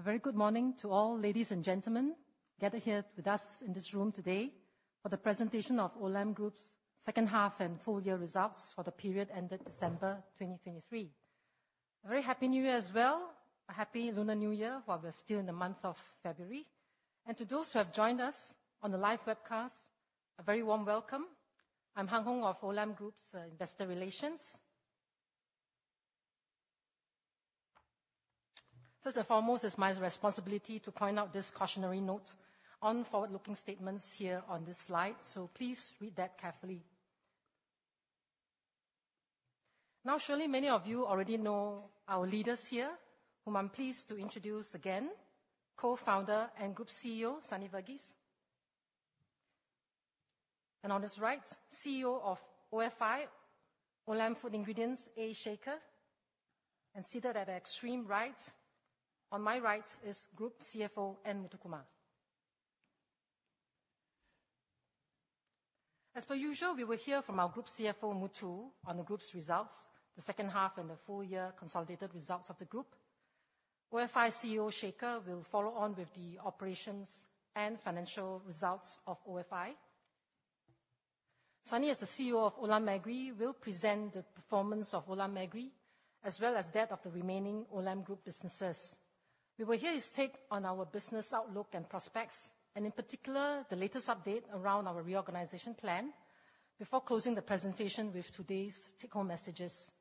A very good morning to all, ladies and gentlemen, gathered here with us in this room today for the presentation of Olam Group's second half and full year results for the period ended December 2023. A very happy New Year as well, a happy Lunar New Year, while we're still in the month of February. And to those who have joined us on the live webcast, a very warm welcome. I'm Hung Hoeng of Olam Group's Investor Relations. First and foremost, it's my responsibility to point out this cautionary note on forward-looking statements here on this slide, so please read that carefully. Now, surely many of you already know our leaders here, whom I'm pleased to introduce again, Co-Founder and Group CEO, Sunny Verghese. And on his right, CEO of ofi, Olam Food Ingredients, A. Shekhar. Seated at the extreme right, on my right, is Group CFO, N. Muthukumar. As per usual, we will hear from our Group CFO, Muthu, on the group's results, the second half and the full year consolidated results of the group. ofi CEO, Shekhar, will follow on with the operations and financial results of ofi. Sunny, as the CEO of Olam Agri, will present the performance of Olam Agri, as well as that of the remaining Olam Group businesses. We will hear his take on our business outlook and prospects, and in particular, the latest update around our reorganization plan, before closing the presentation with today's take-home messages.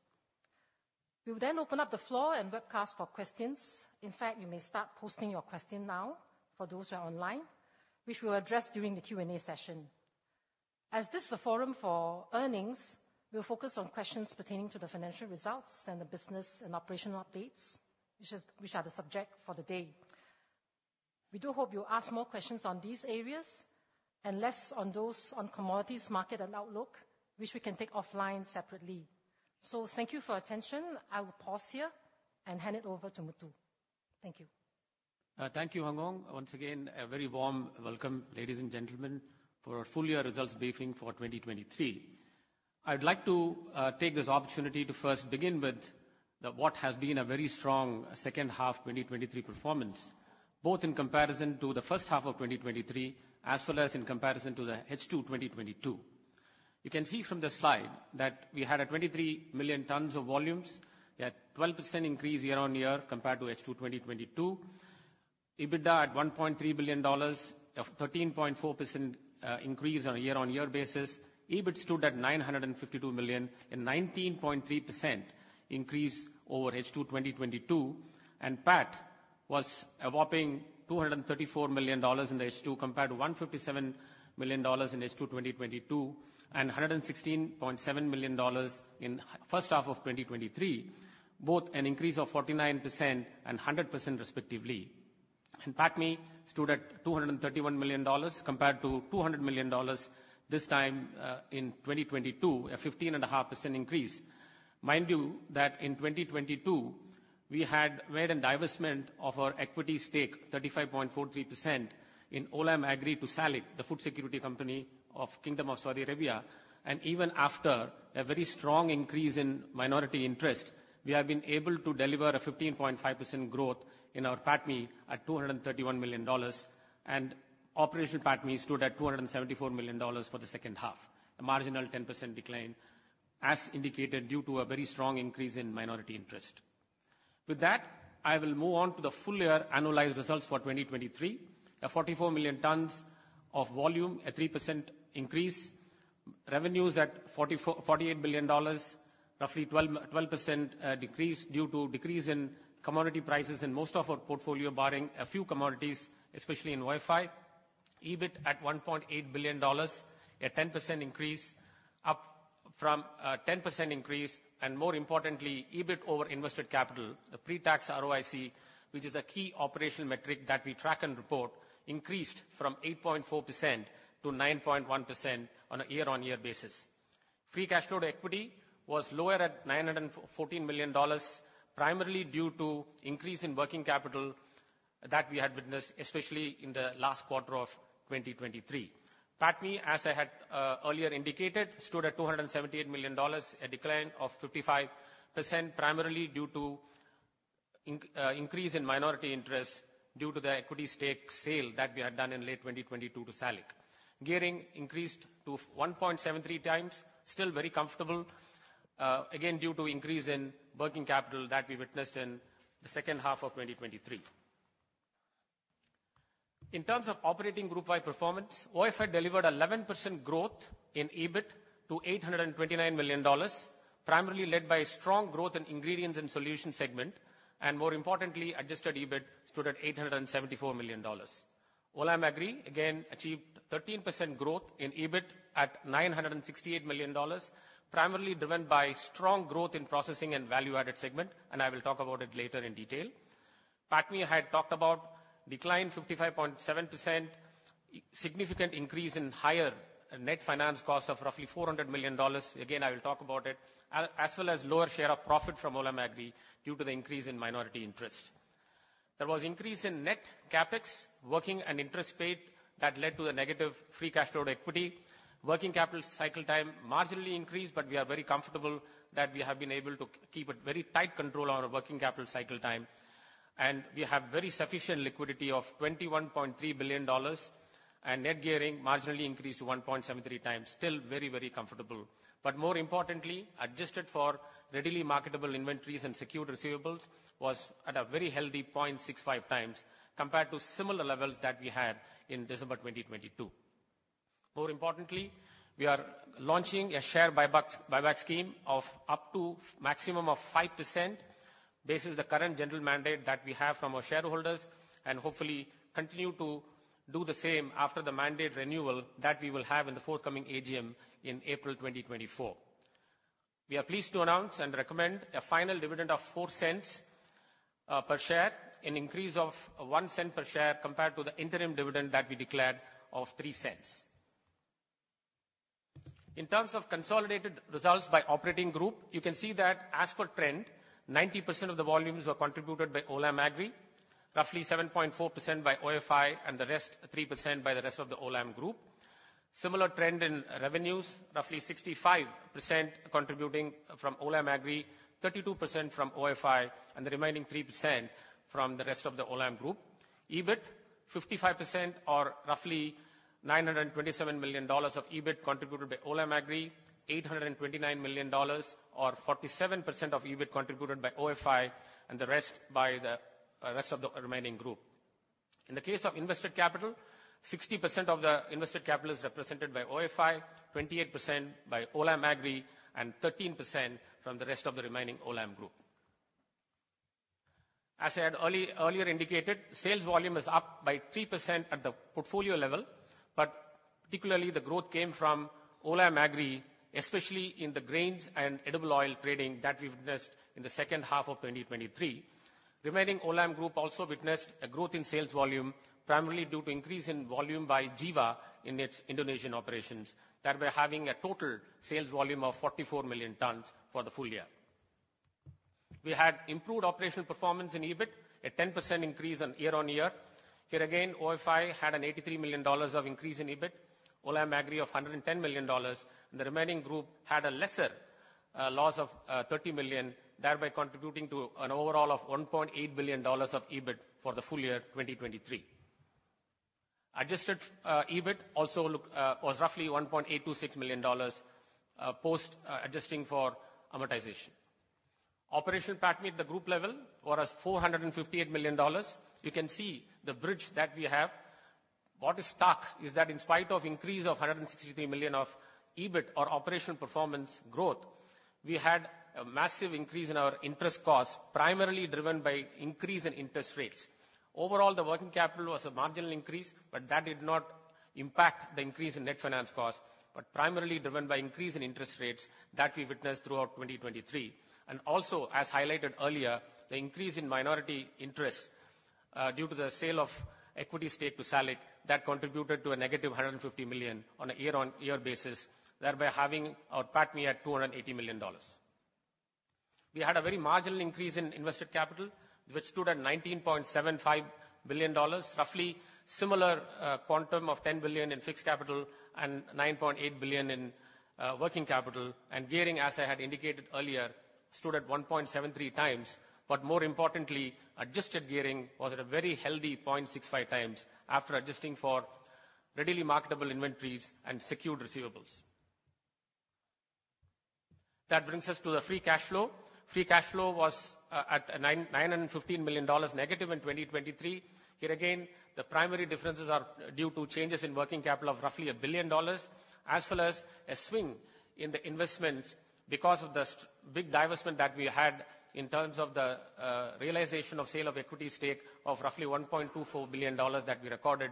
We will then open up the floor and webcast for questions. In fact, you may start posting your question now, for those who are online, which we will address during the Q&A session. As this is a forum for earnings, we'll focus on questions pertaining to the financial results and the business and operational updates, which are the subject for the day. We do hope you'll ask more questions on these areas, and less on those on commodities, market, and outlook, which we can take offline separately. So thank you for your attention. I will pause here and hand it over to Muthu. Thank you. Thank you, Hung Hoeng. Once again, a very warm welcome, ladies and gentlemen, for our full year results briefing for 2023. I'd like to take this opportunity to first begin with the what has been a very strong second half 2023 performance, both in comparison to the first half of 2023, as well as in comparison to the H2 2022. You can see from the slide that we had 23 million tonnes of volumes, a 12% increase year-on-year compared to H2 2022. EBITDA at 1.3 billion dollars, a 13.4% increase on a year-on-year basis. EBIT stood at 952 million, a 19.3% increase over H2 2022, and PAT was a whopping 234 million dollars in the H2, compared to 157 million dollars in H2 2022, and 116.7 million dollars in first half of 2023, both an increase of 49% and 100%, respectively. PATMI stood at 231 million dollars compared to 200 million dollars this time in 2022, a 15.5% increase. Mind you, that in 2022, we had made a divestment of our equity stake, 35.43%, in Olam Agri to SALIC, the food security company of Kingdom of Saudi Arabia. Even after a very strong increase in minority interest, we have been able to deliver a 15.5% growth in our PATMI at 231 million dollars, and operational PATMI stood at 274 million dollars for the second half, a marginal 10% decline, as indicated, due to a very strong increase in minority interest. With that, I will move on to the full year annualized results for 2023. A 44 million tonnes of volume, a 3% increase. Revenues at 44.48 billion dollars, roughly 12.12% decrease due to decrease in commodity prices in most of our portfolio, barring a few commodities, especially in ofi. EBIT at 1.8 billion dollars, a 10% increase, up from 10% increase, and more importantly, EBIT over invested capital, the pre-tax ROIC, which is a key operational metric that we track and report, increased from 8.4%-9.1% on a year-on-year basis. Free cash flow to equity was lower at 914 million dollars, primarily due to increase in working capital that we had witnessed, especially in the last quarter of 2023. PATMI, as I had earlier indicated, stood at $278 million, a decline of 55%, primarily due to increase in minority interest due to the equity stake sale that we had done in late 2022 to SALIC. Gearing increased to 1.73 times, still very comfortable, again, due to increase in working capital that we witnessed in the second half of 2023. In terms of operating group-wide performance, ofi delivered 11% growth in EBIT to 829 million dollars, primarily led by strong growth in Ingredients and Solutions segment, and more importantly, adjusted EBIT stood at 874 million dollars. Olam Agri, again, achieved 13% growth in EBIT at 968 million dollars, primarily driven by strong growth in Processing and Value-added segment, and I will talk about it later in detail. PATMI, I had talked about, declined 55.7%, [due to] significant increase in higher net finance cost of roughly 400 million dollars, again, I will talk about it, as well as lower share of profit from Olam Agri due to the increase in minority interest. There was increase in net CapEx, working and interest paid, that led to the negative free cash flow to equity. Working capital cycle time marginally increased, but we are very comfortable that we have been able to keep a very tight control on our working capital cycle time. And we have very sufficient liquidity of 21.3 billion dollars, and net gearing marginally increased to 1.73 times. Still very, very comfortable. But more importantly, adjusted for readily marketable inventories and secured receivables, was at a very healthy 0.65 times, compared to similar levels that we had in December 2022. More importantly, we are launching a share buybacks, buyback scheme of up to maximum of 5%. This is the current general mandate that we have from our shareholders, and hopefully continue to do the same after the mandate renewal that we will have in the forthcoming AGM in April 2024. We are pleased to announce and recommend a final dividend of 0.04 per share, an increase of 0.01 per share compared to the interim dividend that we declared of 0.03. In terms of consolidated results by operating group, you can see that as per trend, 90% of the volumes were contributed by Olam Agri, roughly 7.4% by ofi, and the rest, 3%, by the rest of the Olam Group. Similar trend in revenues, roughly 65% contributing from Olam Agri, 32% from ofi, and the remaining 3% from the rest of the Olam Group. EBIT, 55%, or roughly 927 million dollars of EBIT, contributed by Olam Agri, 829 million dollars, or 47% of EBIT contributed by ofi, and the rest by the rest of the remaining group. In the case of invested capital, 60% of the invested capital is represented by ofi, 28% by Olam Agri, and 13% from the rest of the remaining Olam Group. As I had earlier indicated, sales volume is up by 3% at the portfolio level, but particularly the growth came from Olam Agri, especially in the grains and edible oil trading that we've invested in the second half of 2023. Remaining Olam Group also witnessed a growth in sales volume, primarily due to increase in volume by Jiva in its Indonesian operations, thereby having a total sales volume of 44 million tonnes for the full year. We had improved operational performance in EBIT, a 10% increase on year-on-year. Here again, ofi had an 83 million dollars of increase in EBIT, Olam Agri of 110 million dollars, and the remaining group had a lesser loss of 30 million, thereby contributing to an overall of 1.8 billion dollars of EBIT for the full year 2023. Adjusted EBIT also look was roughly 1.826 million dollars, post adjusting for amortization. Operational PATMI at the group level was 458 million dollars. You can see the bridge that we have. What is stuck is that in spite of increase of 163 million of EBIT or operational performance growth, we had a massive increase in our interest costs, primarily driven by increase in interest rates. Overall, the working capital was a marginal increase, but that did not impact the increase in net finance costs, but primarily driven by increase in interest rates that we witnessed throughout 2023. And also, as highlighted earlier, the increase in minority interest due to the sale of equity stake to SALIC, that contributed to a negative 150 million on a year-on-year basis, thereby having our PATMI at 280 million dollars. We had a very marginal increase in invested capital, which stood at 19.75 billion dollars, roughly similar quantum of 10 billion in fixed capital and 9.8 billion in working capital. And gearing, as I had indicated earlier, stood at 1.73 times, but more importantly, adjusted gearing was at a very healthy 0.65 times after adjusting for readily marketable inventories and secured receivables. That brings us to the free cashflow. Free cashflow was at negative SGD 915 million in 2023. Here again, the primary differences are due to changes in working capital of roughly 1 billion dollars, as well as a swing in the investment because of the big divestment that we had in terms of the realization of sale of equity stake of roughly $1.24 billion that we recorded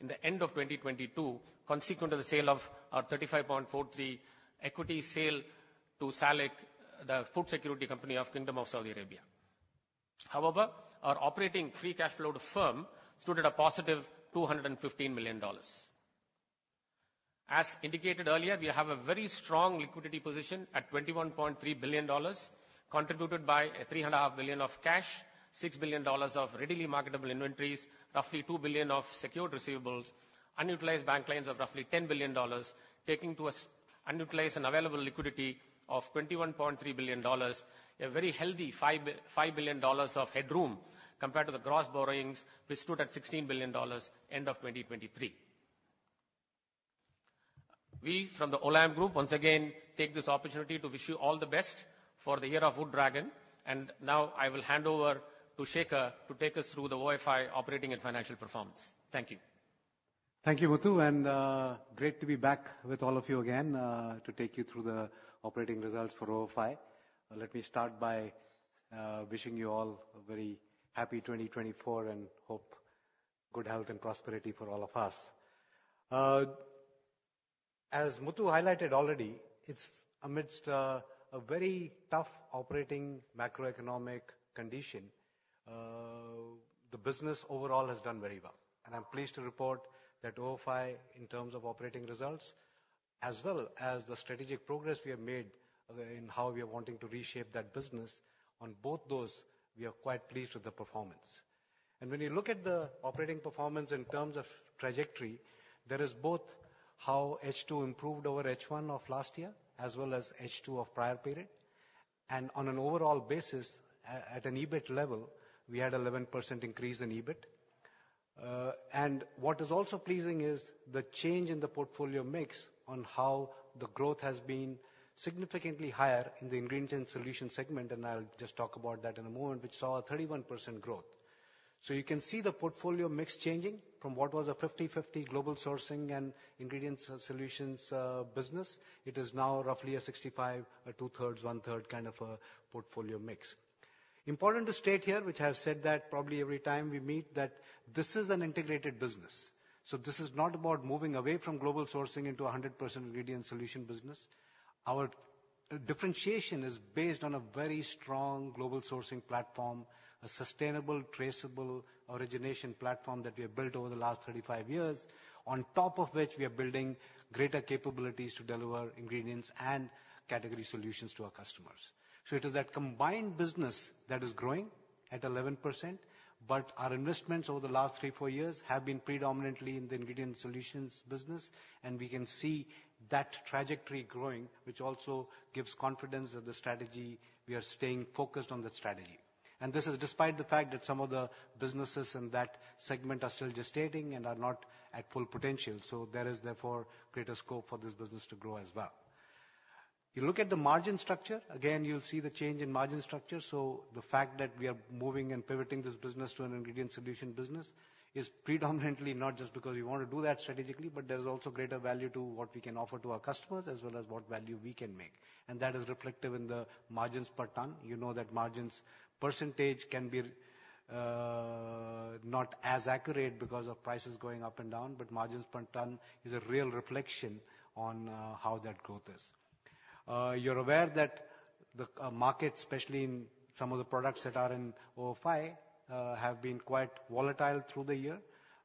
in the end of 2022, consequent to the sale of our 35.43 equity sale to SALIC, the food security company of Kingdom of Saudi Arabia. However, our operating free cashflow to firm stood at a positive 215 million dollars. As indicated earlier, we have a very strong liquidity position at 21.3 billion dollars, contributed by 3.5 billion of cash, 6 billion dollars of readily marketable inventories, roughly 2 billion of secured receivables, unutilized bank loans of roughly 10 billion dollars, taking to us unutilized and available liquidity of 21.3 billion dollars, a very healthy 5 billion dollars of headroom compared to the gross borrowings, which stood at 16 billion dollars end of 2023. We from the Olam Group, once again, take this opportunity to wish you all the best for the Year of Dragon, and now I will hand over to Shekhar to take us through the ofi operating and financial performance. Thank you. Thank you, Muthu, and great to be back with all of you again, to take you through the operating results for ofi. Let me start by wishing you all a very happy 2024, and hope good health and prosperity for all of us. As Muthu highlighted already, it's amidst a very tough operating macroeconomic condition, the business overall has done very well. And I'm pleased to report that ofi, in terms of operating results, as well as the strategic progress we have made, in how we are wanting to reshape that business, on both those, we are quite pleased with the performance. And when you look at the operating performance in terms of trajectory, there is both how H2 improved over H1 of last year, as well as H2 of prior period. On an overall basis, at an EBIT level, we had 11% increase in EBIT. And what is also pleasing is the change in the portfolio mix on how the growth has been significantly higher in the Ingredient Solutions segment, and I'll just talk about that in a moment, which saw a 31% growth. So you can see the portfolio mix changing from what was a 50/50 Global Sourcing and Ingredients and Solutions business. It is now roughly a 65, a 2/3s, 1/3 kind of a portfolio mix. Important to state here, which I've said that probably every time we meet, that this is an integrated business. So this is not about moving away from Global Sourcing into a 100% Ingredient Solution business. Our differentiation is based on a very strong Global Sourcing platform, a sustainable, traceable origination platform that we have built over the last 35 years, on top of which we are building greater capabilities to deliver ingredients and category solutions to our customers. So it is that combined business that is growing at 11%, but our investments over the last three to four years have been predominantly in the Ingredient Solutions business, and we can see that trajectory growing, which also gives confidence of the strategy. We are staying focused on that strategy. And this is despite the fact that some of the businesses in that segment are still gestating and are not at full potential, so there is, therefore, greater scope for this business to grow as well. You look at the margin structure, again, you'll see the change in margin structure. The fact that we are moving and pivoting this business to an Ingredient Solution business is predominantly not just because we want to do that strategically, but there's also greater value to what we can offer to our customers, as well as what value we can make, and that is reflective in the margins per ton. You know that margins percentage can be not as accurate because of prices going up and down, but margins per ton is a real reflection on how that growth is. You're aware that the market, especially in some of the products that are in ofi, have been quite volatile through the year.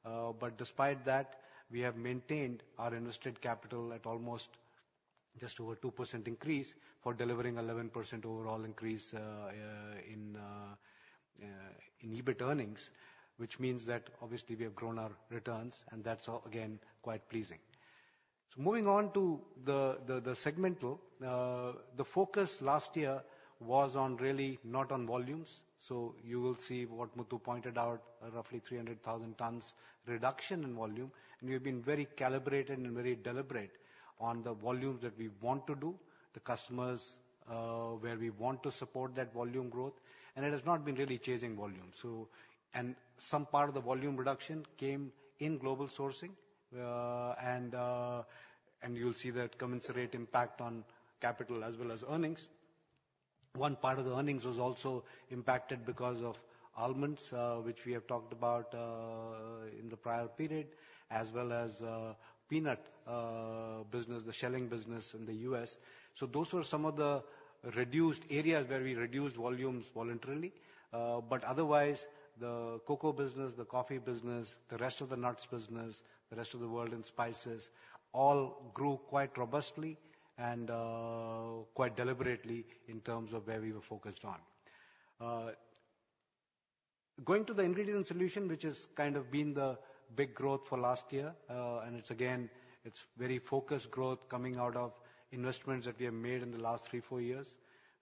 But despite that, we have maintained our invested capital at almost just over 2% increase for delivering 11% overall increase, in EBIT earnings, which means that obviously we have grown our returns, and that's, again, quite pleasing. So moving on to the segmental. The focus last year was on really not on volumes, so you will see what Muthu pointed out, roughly 300,000 tonnes reduction in volume. And we have been very calibrated and very deliberate on the volumes that we want to do, the customers, where we want to support that volume growth, and it has not been really chasing volume. So... And some part of the volume reduction came in Global Sourcing, and you'll see that commensurate impact on capital as well as earnings. One part of the earnings was also impacted because of almonds, which we have talked about in the prior period, as well as peanut business, the shelling business in the US. So those were some of the reduced areas where we reduced volumes voluntarily. But otherwise, the cocoa business, the coffee business, the rest of the nuts business, the rest of the world in spices, all grew quite robustly and quite deliberately in terms of where we were focused on. Going to the Ingredient Solution, which has kind of been the big growth for last year, and it's, again, it's very focused growth coming out of investments that we have made in the last three, four years.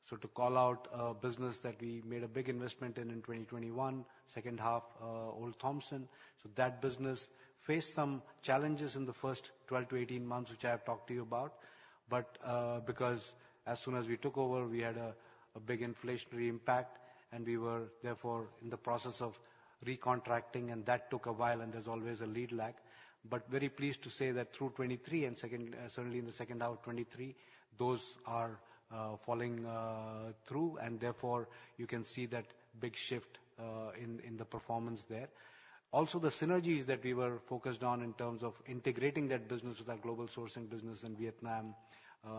So to call out a business that we made a big investment in in 2021, second half, Olde Thompson. So that business faced some challenges in the first 12 to 18 months, which I have talked to you about. But, because as soon as we took over, we had a big inflationary impact, and we were therefore in the process of recontracting, and that took a while, and there's always a lead lag. But very pleased to say that through 2023 and second—certainly in the second half of 2023, those are falling through, and therefore, you can see that big shift in the performance there. Also, the synergies that we were focused on in terms of integrating that business with our Global Sourcing business in Vietnam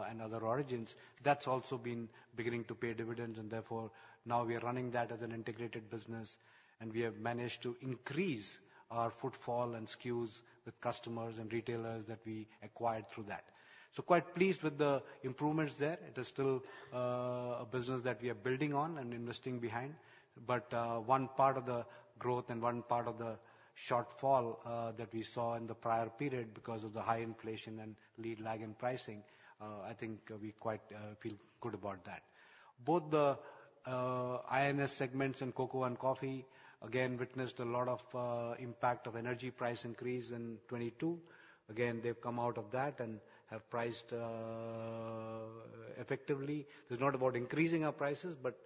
and other origins, that's also been beginning to pay dividends, and therefore, now we are running that as an integrated business, and we have managed to increase our footfall and SKUs with customers and retailers that we acquired through that. So quite pleased with the improvements there. It is still a business that we are building on and investing behind. But one part of the growth and one part of the shortfall that we saw in the prior period because of the high inflation and lead lag in pricing, I think we quite feel good about that. Both the ofi segments in cocoa and coffee, again, witnessed a lot of impact of energy price increase in 2022. Again, they've come out of that and have priced effectively. It's not about increasing our prices, but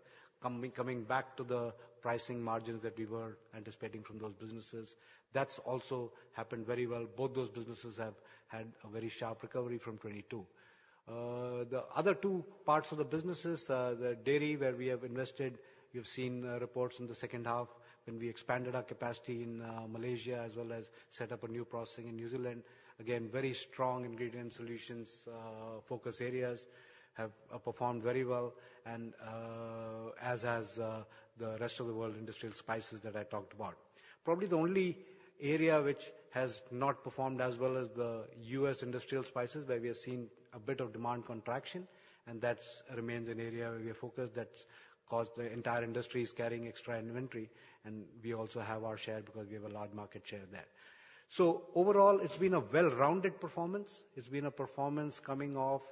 coming back to the pricing margins that we were anticipating from those businesses. That's also happened very well. Both those businesses have had a very sharp recovery from 2022. The other two parts of the businesses, the dairy, where we have invested, you've seen reports in the second half when we expanded our capacity in Malaysia, as well as set up a new processing in New Zealand. Again, very strong Ingredient Solutions focus areas have performed very well and, as has the rest of the world, industrial spices that I talked about. Probably the only area which has not performed as well is the U.S. industrial spices, where we have seen a bit of demand contraction, and that remains an area where we are focused. That's caused the entire industry is carrying extra inventory, and we also have our share because we have a large market share there. So overall, it's been a well-rounded performance. It's been a performance coming off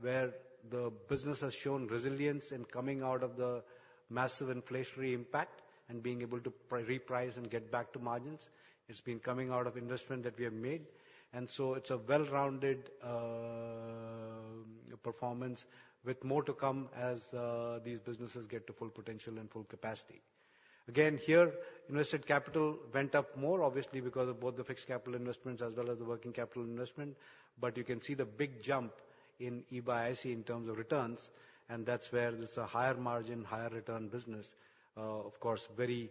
where the business has shown resilience in coming out of the massive inflationary impact and being able to reprice and get back to margins. It's been coming out of investment that we have made, and so it's a well-rounded performance with more to come as these businesses get to full potential and full capacity. Again, here, invested capital went up more, obviously, because of both the fixed capital investments as well as the working capital investment. But you can see the big jump in IC in terms of returns, and that's where it's a higher margin, higher return business, of course, very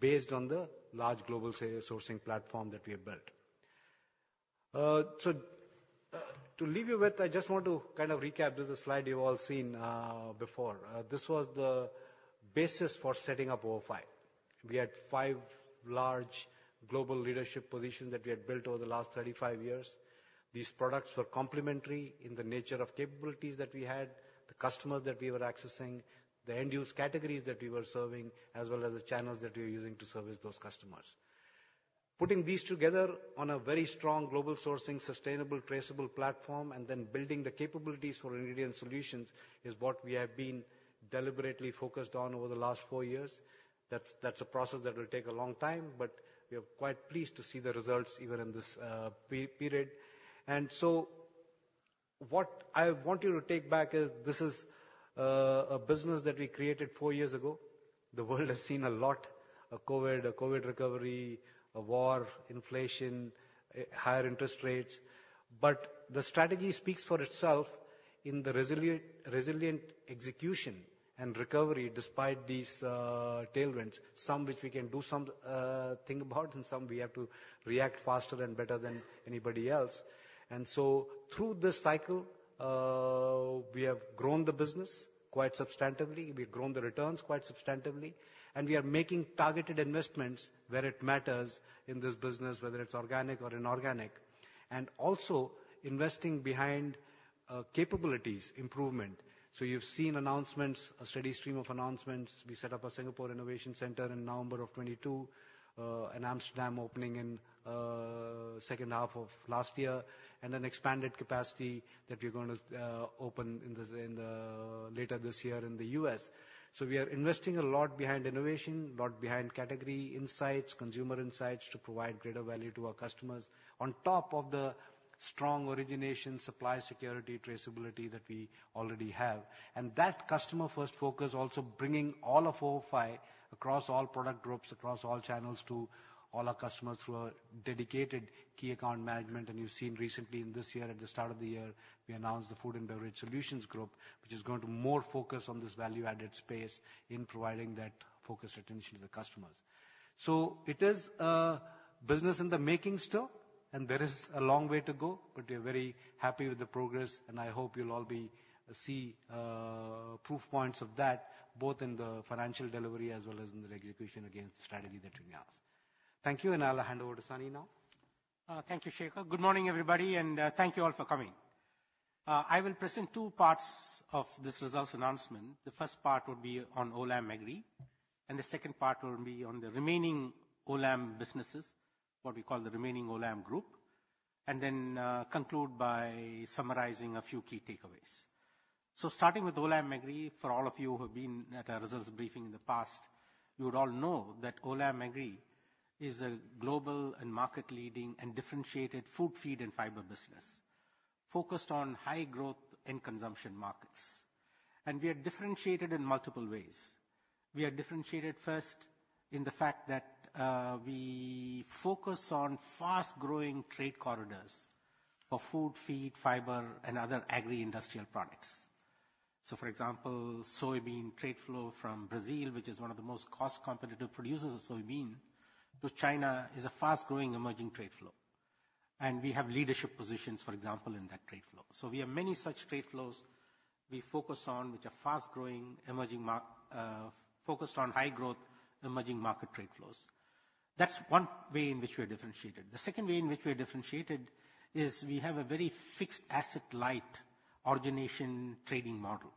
based on the large global sales sourcing platform that we have built. So, to leave you with, I just want to kind of recap. This is a slide you've all seen, before. This was the basis for setting up ofi. We had five large global leadership positions that we had built over the last 35 years. These products were complementary in the nature of capabilities that we had, the customers that we were accessing, the end-use categories that we were serving, as well as the channels that we were using to service those customers. Putting these together on a very strong Global Sourcing, sustainable, traceable platform, and then building the capabilities for ingredient solutions is what we have been deliberately focused on over the last four years. That's, that's a process that will take a long time, but we are quite pleased to see the results even in this period. And so what I want you to take back is, this is a business that we created four years ago. The world has seen a lot, COVID, a COVID recovery, a war, inflation, higher interest rates. But the strategy speaks for itself in the resilient, resilient execution and recovery despite these tailwinds, some which we can do something about, and some we have to react faster and better than anybody else. Through this cycle, we have grown the business quite substantively, we've grown the returns quite substantively, and we are making targeted investments where it matters in this business, whether it's organic or inorganic, and also investing behind capabilities improvement. You've seen announcements, a steady stream of announcements. We set up a Singapore Innovation Centre in November 2022, and Amsterdam opening in second half of last year, and an expanded capacity that we're gonna open later this year in the U.S. We are investing a lot behind innovation, a lot behind category insights, consumer insights to provide greater value to our customers, on top of the strong origination, supply security, traceability that we already have. That customer-first focus also bringing all of ofi across all product groups, across all channels to all our customers through our dedicated key account management. And you've seen recently in this year, at the start of the year, we announced the Food and Beverage Solutions group, which is going to more focus on this value-added space in providing that focused attention to the customers. So it is a business in the making still, and there is a long way to go, but we're very happy with the progress, and I hope you'll all see proof points of that, both in the financial delivery as well as in the execution against the strategy that we announced. Thank you, and I'll hand over to Sunny now. Thank you, Shekhar. Good morning, everybody, and thank you all for coming. I will present two parts of this results announcement. The first part will be on Olam Agri, and the second part will be on the remaining Olam businesses, what we call the Remaining Olam Group, and then conclude by summarizing a few key takeaways. So starting with Olam Agri, for all of you who have been at our results briefing in the past, you would all know that Olam Agri is a global and market-leading and differentiated food, feed, and fibre business focused on high growth and consumption markets, and we are differentiated in multiple ways. We are differentiated, first, in the fact that we focus on fast-growing trade corridors for food, feed, fibre, and other Agri-industrial products. So for example, soybean trade flow from Brazil, which is one of the most cost-competitive producers of soybean, to China, is a fast-growing emerging trade flow, and we have leadership positions, for example, in that trade flow. So we have many such trade flows we focus on, which are fast-growing, emerging, focused on high growth, emerging market trade flows. That's one way in which we are differentiated. The second way in which we are differentiated is we have a very fixed asset light origination trading model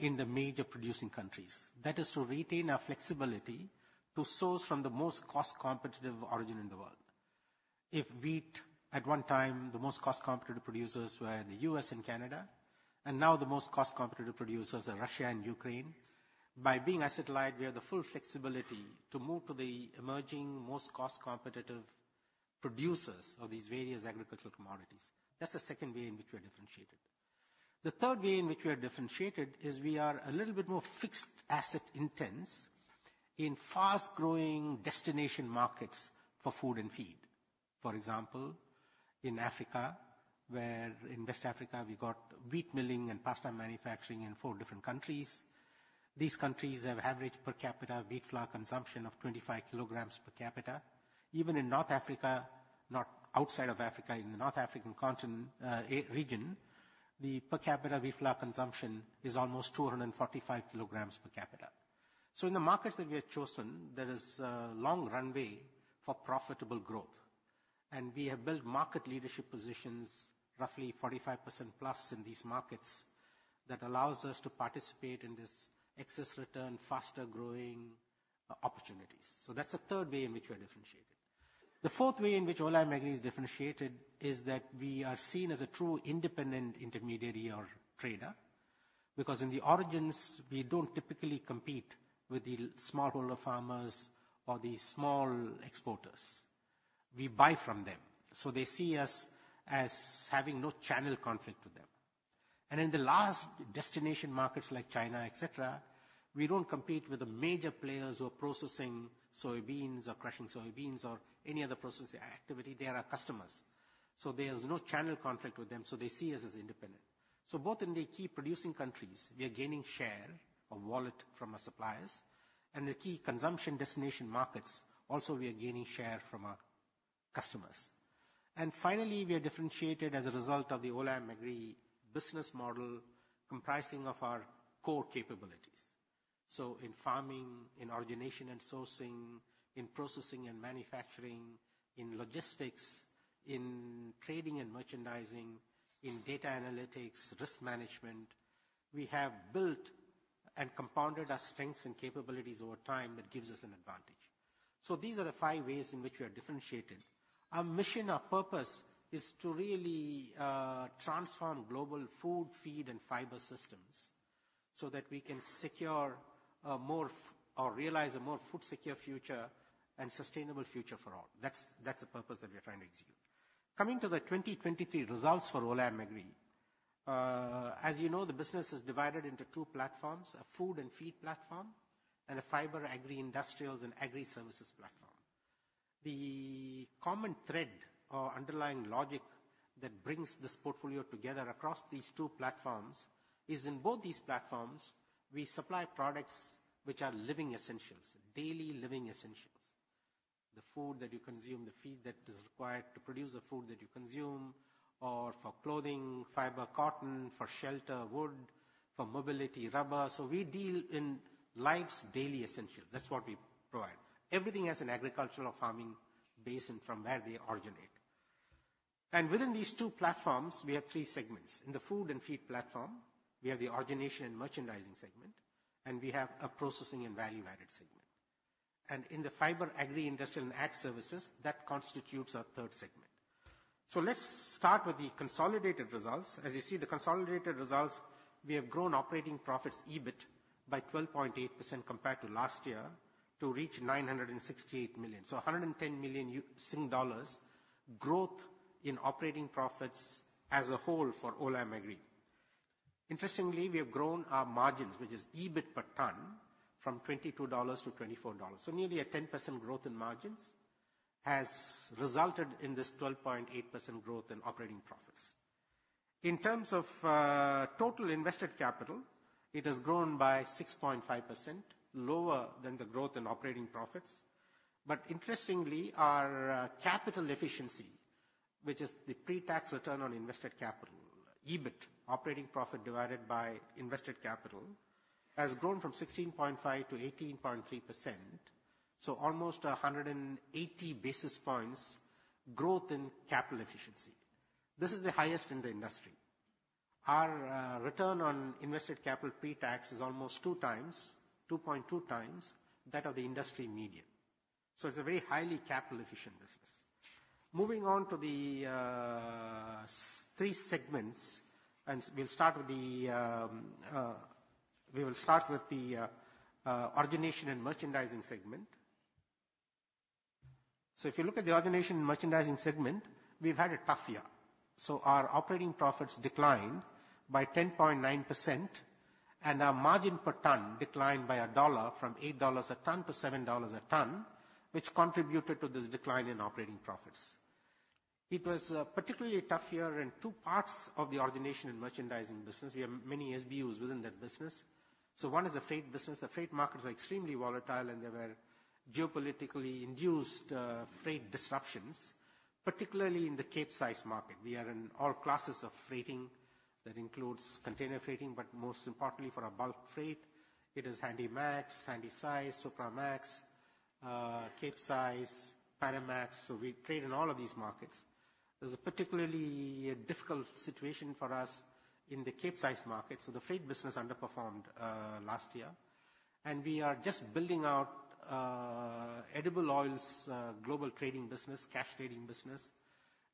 in the major producing countries. That is to retain our flexibility to source from the most cost-competitive origin in the world. If wheat, at one time, the most cost-competitive producers were in the U.S. and Canada, and now the most cost-competitive producers are Russia and Ukraine, by being asset-light, we have the full flexibility to move to the emerging, most cost-competitive producers of these various agricultural commodities. That's the second way in which we are differentiated. The third way in which we are differentiated is we are a little bit more fixed asset intense in fast-growing destination markets for food and feed. For example, in Africa, where in West Africa, we got wheat milling and pasta manufacturing in four different countries. These countries have average per capita wheat flour consumption of 25 kg per capita. Even in North Africa, not outside of Africa, in the North African region, the per capita wheat flour consumption is almost 245 kg per capita. So in the markets that we have chosen, there is a long runway for profitable growth, and we have built market leadership positions, roughly 45% plus in these markets that allows us to participate in this excess return, faster growing, opportunities. So that's the third way in which we are differentiated. The fourth way in which Olam Agri is differentiated is that we are seen as a true independent intermediary or trader, because in the origins, we don't typically compete with the smallholder farmers or the small exporters. We buy from them, so they see us as having no channel conflict with them. And in the last destination, markets like China, et cetera, we don't compete with the major players who are processing soybeans or crushing soybeans or any other processing activity. They are our customers, so there's no channel conflict with them, so they see us as independent. So both in the key producing countries, we are gaining share of wallet from our suppliers, and the key consumption destination markets also we are gaining share from our customers. And finally, we are differentiated as a result of the Olam Agri business model, comprising of our core capabilities. So in farming, in origination and sourcing, in processing and manufacturing, in logistics, in trading and merchandising, in data analytics, risk management, we have built and compounded our strengths and capabilities over time. That gives us an advantage. So these are the five ways in which we are differentiated. Our mission, our purpose, is to really transform global food, feed, and fibre systems so that we can secure a more or realize a more food secure future and sustainable future for all. That's, that's the purpose that we are trying to execute. Coming to the 2023 results for Olam Agri. As you know, the business is divided into two platforms: a Food and Feed platform, and a Fibre, Agri-industrials and Ag Services platform. The common thread or underlying logic that brings this portfolio together across these two platforms is, in both these platforms, we supply products which are living essentials, daily living essentials. The food that you consume, the feed that is required to produce the food that you consume, or for clothing, fibre, cotton, for shelter, wood, for mobility, rubber. So we deal in life's daily essentials. That's what we provide. Everything has an agricultural or farming base, and from where they originate. Within these two platforms, we have three segments. In the Food and Feed platform, we have the Origination & Merchandising segment, and we have a Processing and Value-added segment. And In the Fibre, Agri-industrial, and Ag Services, that constitutes our third segment. Let's start with the consolidated results. As you see, the consolidated results, we have grown operating profits, EBIT, by 12.8% compared to last year, to reach 968 million. A 110 million Singapore dollars growth in operating profits as a whole for Olam Agri. Interestingly, we have grown our margins, which is EBIT per ton, from 22-24 dollars. Nearly a 10% growth in margins has resulted in this 12.8% growth in operating profits. In terms of total invested capital, it has grown by 6.5%, lower than the growth in operating profits. But interestingly, our capital efficiency, which is the pre-tax return on invested capital, EBIT, operating profit divided by invested capital, has grown from 16.5%-18.3%, so almost 180 basis points growth in capital efficiency. This is the highest in the industry. Our return on invested capital pre-tax is almost two times, 2.2 times, that of the industry median. So it's a very highly capital-efficient business. Moving on to the three segments, we'll start with the Origination & Merchandising segment. So if you look at the Origination & Merchandising segment, we've had a tough year. So our operating profits declined by 10.9%, and our margin per ton declined by SGD 1, from 8 dollar a ton to 7 dollars a ton, which contributed to this decline in operating profits. It was particularly a tough year in two parts of the Origination & Merchandising business. We have many SBUs within that business. So one is the freight business. The freight markets are extremely volatile, and there were geopolitically induced freight disruptions, particularly in the Capesize market. We are in all classes of freighting. That includes container freighting, but most importantly for our bulk freight, it is Handymax, Handysize, Supramax, Capesize, Panamax. So we trade in all of these markets. It was a particularly difficult situation for us in the Capesize markets, so the freight business underperformed last year. We are just building out edible oils global trading business, cash trading business.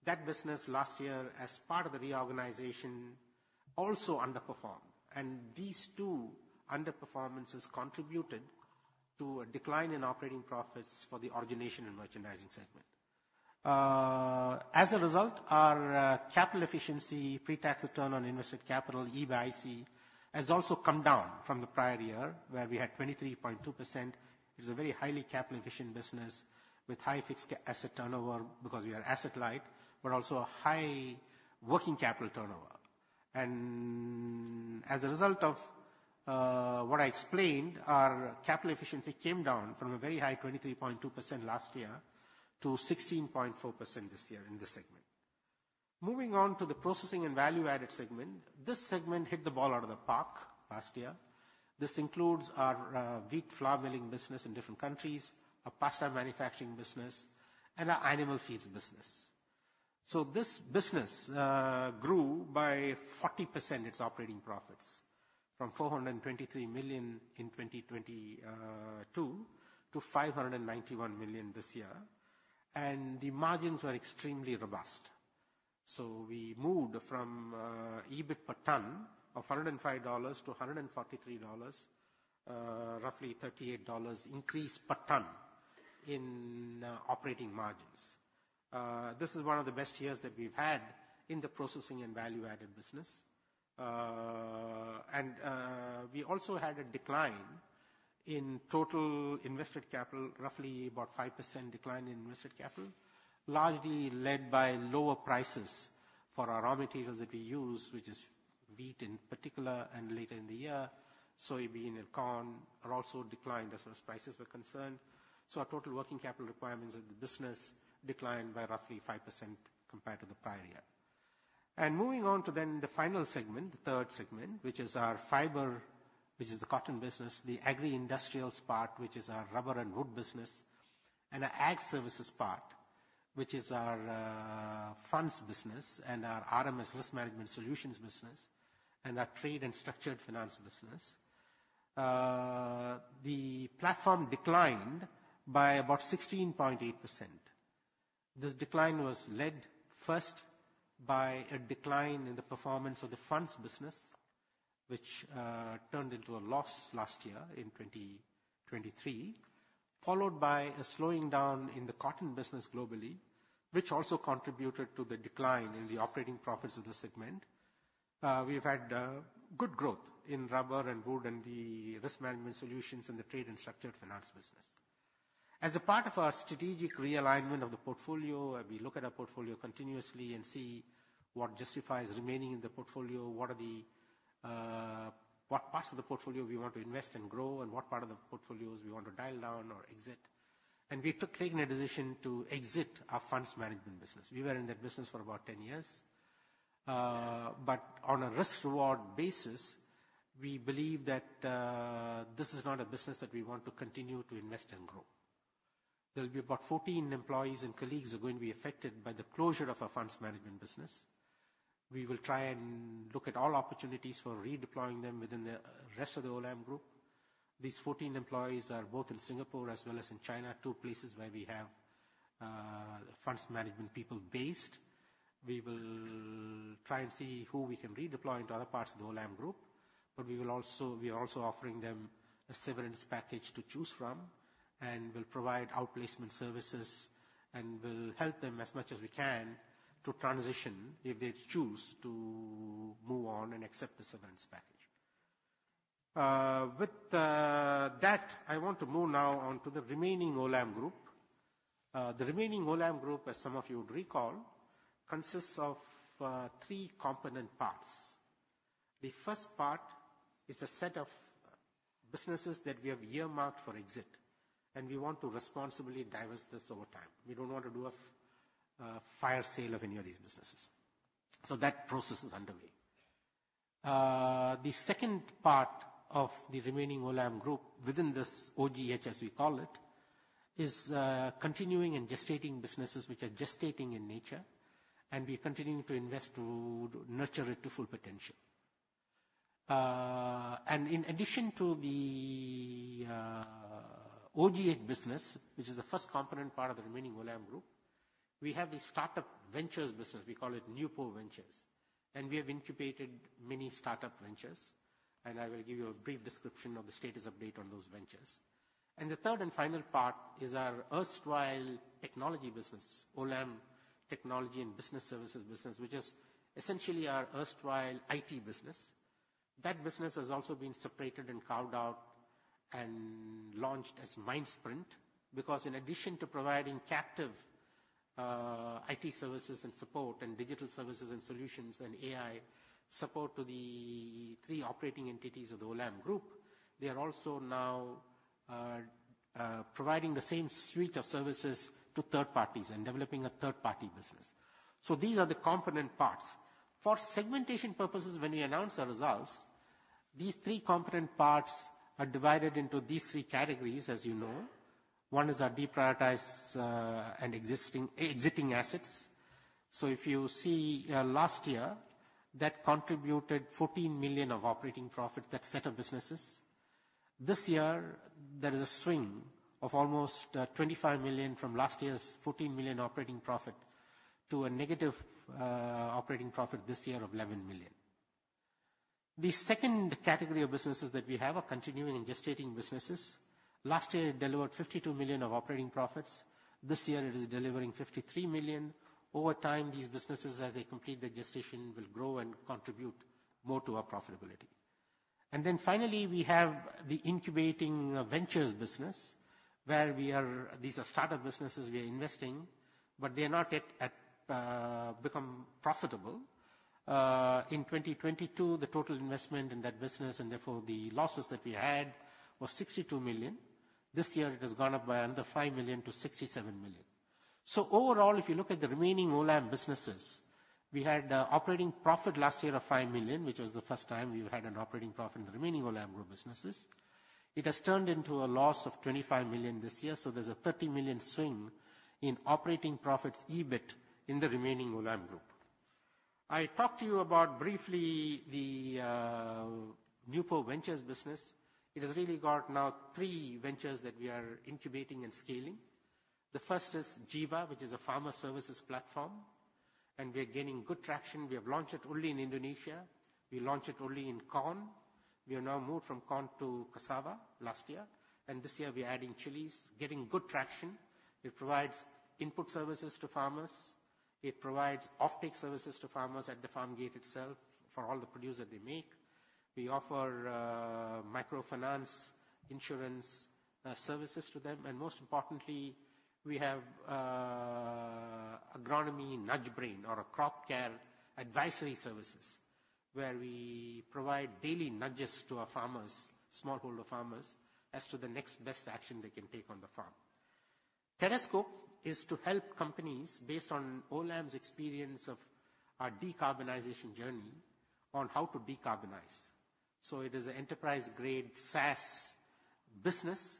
That business last year, as part of the reorganization, also underperformed, and these two underperformances contributed to a decline in operating profits for the Origination & Merchandising segment. As a result, our capital efficiency, pre-tax return on invested capital, ROIC, has also come down from the prior year, where we had 23.2%. It was a very highly capital-efficient business with high fixed asset turnover because we are asset light, but also a high working capital turnover. As a result of what I explained, our capital efficiency came down from a very high 23.2% last year to 16.4% this year in this segment. Moving on to the Processing and Value-added segment. This segment hit the ball out of the park last year. This includes our wheat flour milling business in different countries, our pasta manufacturing business, and our animal feeds business. So this business grew by 40%, its operating profits, from 423 million in 2022 to 591 million this year, and the margins were extremely robust. So we moved from EBIT per ton of 105-143 dollars, roughly 38 dollars increase per ton in operating margins. This is one of the best years that we've had in the Processing and Value-added business. we also had a decline in total invested capital, roughly about 5% decline in invested capital, largely led by lower prices for our raw materials that we use, which is wheat in particular, and later in the year, soybean and corn are also declined as far as prices were concerned. So our total working capital requirements in the business declined by roughly 5% compared to the prior year. Moving on to then the final segment, the third segment, which is our fibre, which is the cotton business, the Agri-industrials part, which is our rubber and wood business, and our Ag Services part, which is our funds business and our RMS risk management solutions business, and our trade and structured finance business. The platform declined by about 16.8%. This decline was led first by a decline in the performance of the funds business, which turned into a loss last year in 2023, followed by a slowing down in the cotton business globally, which also contributed to the decline in the operating profits of the segment. We've had good growth in rubber and wood, and the risk management solutions, and the trade and structured finance business. As a part of our strategic realignment of the portfolio, we look at our portfolio continuously and see what justifies remaining in the portfolio, what are the what parts of the portfolio we want to invest and grow, and what part of the portfolios we want to dial down or exit. And we took clearly a decision to exit our funds management business. We were in that business for about 10 years, but on a risk-reward basis, we believe that this is not a business that we want to continue to invest and grow. There'll be about 14 employees and colleagues are going to be affected by the closure of our funds management business. We will try and look at all opportunities for redeploying them within the rest of the Olam Group. These 14 employees are both in Singapore as well as in China, two places where we have funds management people based. We will try and see who we can redeploy into other parts of the Olam Group, but we are also offering them a severance package to choose from, and we'll provide outplacement services, and we'll help them as much as we can to transition if they choose to move on and accept the severance package. With that, I want to move now on to the Remaining Olam Group. The Remaining Olam Group, as some of you would recall, consists of three component parts. The first part is a set of businesses that we have earmarked for exit, and we want to responsibly divest this over time. We don't want to do a fire sale of any of these businesses, so that process is underway. The second part of the remaining Olam Group within this OGH, as we call it, is continuing and gestating businesses which are gestating in nature, and we're continuing to invest to nurture it to full potential. And in addition to the OGH business, which is the first component part of the remaining Olam Group, we have the startup ventures business. We call it Nupo Ventures, and we have incubated many startup ventures, and I will give you a brief description of the status update on those ventures. And the third and final part is our erstwhile technology business, Olam Technology and Business Services business, which is essentially our erstwhile IT business. That business has also been separated and carved out and launched as Mindsprint. Because in addition to providing captive IT services and support, and digital services and solutions, and AI support to the three operating entities of the Olam Group, they are also now providing the same suite of services to third parties and developing a third-party business. So these are the component parts. For segmentation purposes when we announce our results, these three component parts are divided into these three categories, as you know. One is our deprioritized and exiting assets. So if you see, last year, that contributed 14 million of operating profit, that set of businesses. This year, there is a swing of almost 25 million from last year's 14 million operating profit to a negative operating profit this year of 11 million. The second category of businesses that we have are continuing and gestating businesses. Last year, it delivered 52 million of operating profits. This year, it is delivering 53 million. Over time, these businesses, as they complete their gestation, will grow and contribute more to our profitability. And then finally, we have the incubating ventures business, where we are—these are startup businesses we are investing, but they are not yet at, become profitable. In 2022, the total investment in that business, and therefore the losses that we had, was 62 million. This year, it has gone up by another 5 million-67 million. So overall, if you look at the remaining Olam businesses. We had operating profit last year of 5 million, which was the first time we've had an operating profit in the Remaining Olam Group businesses. It has turned into a loss of 25 million this year, so there's a 30 million swing in operating profits, EBIT, in the Remaining Olam Group. I talked to you about briefly the Nupo Ventures business. It has really got now three ventures that we are incubating and scaling. The first is Jiva, which is a farmer services platform, and we are gaining good traction. We have launched it only in Indonesia. We launched it only in corn. We are now moved from corn to cassava last year, and this year we are adding chilies, getting good traction. It provides input services to farmers. It provides off-take services to farmers at the farm gate itself for all the produce that they make. We offer microfinance insurance services to them, and most importantly, we have agronomy nudge brain or a crop care advisory services, where we provide daily nudges to our farmers, smallholder farmers, as to the next best action they can take on the farm. Terrascope is to help companies based on Olam's experience of our decarbonization journey on how to decarbonize. So it is an enterprise-grade SaaS business,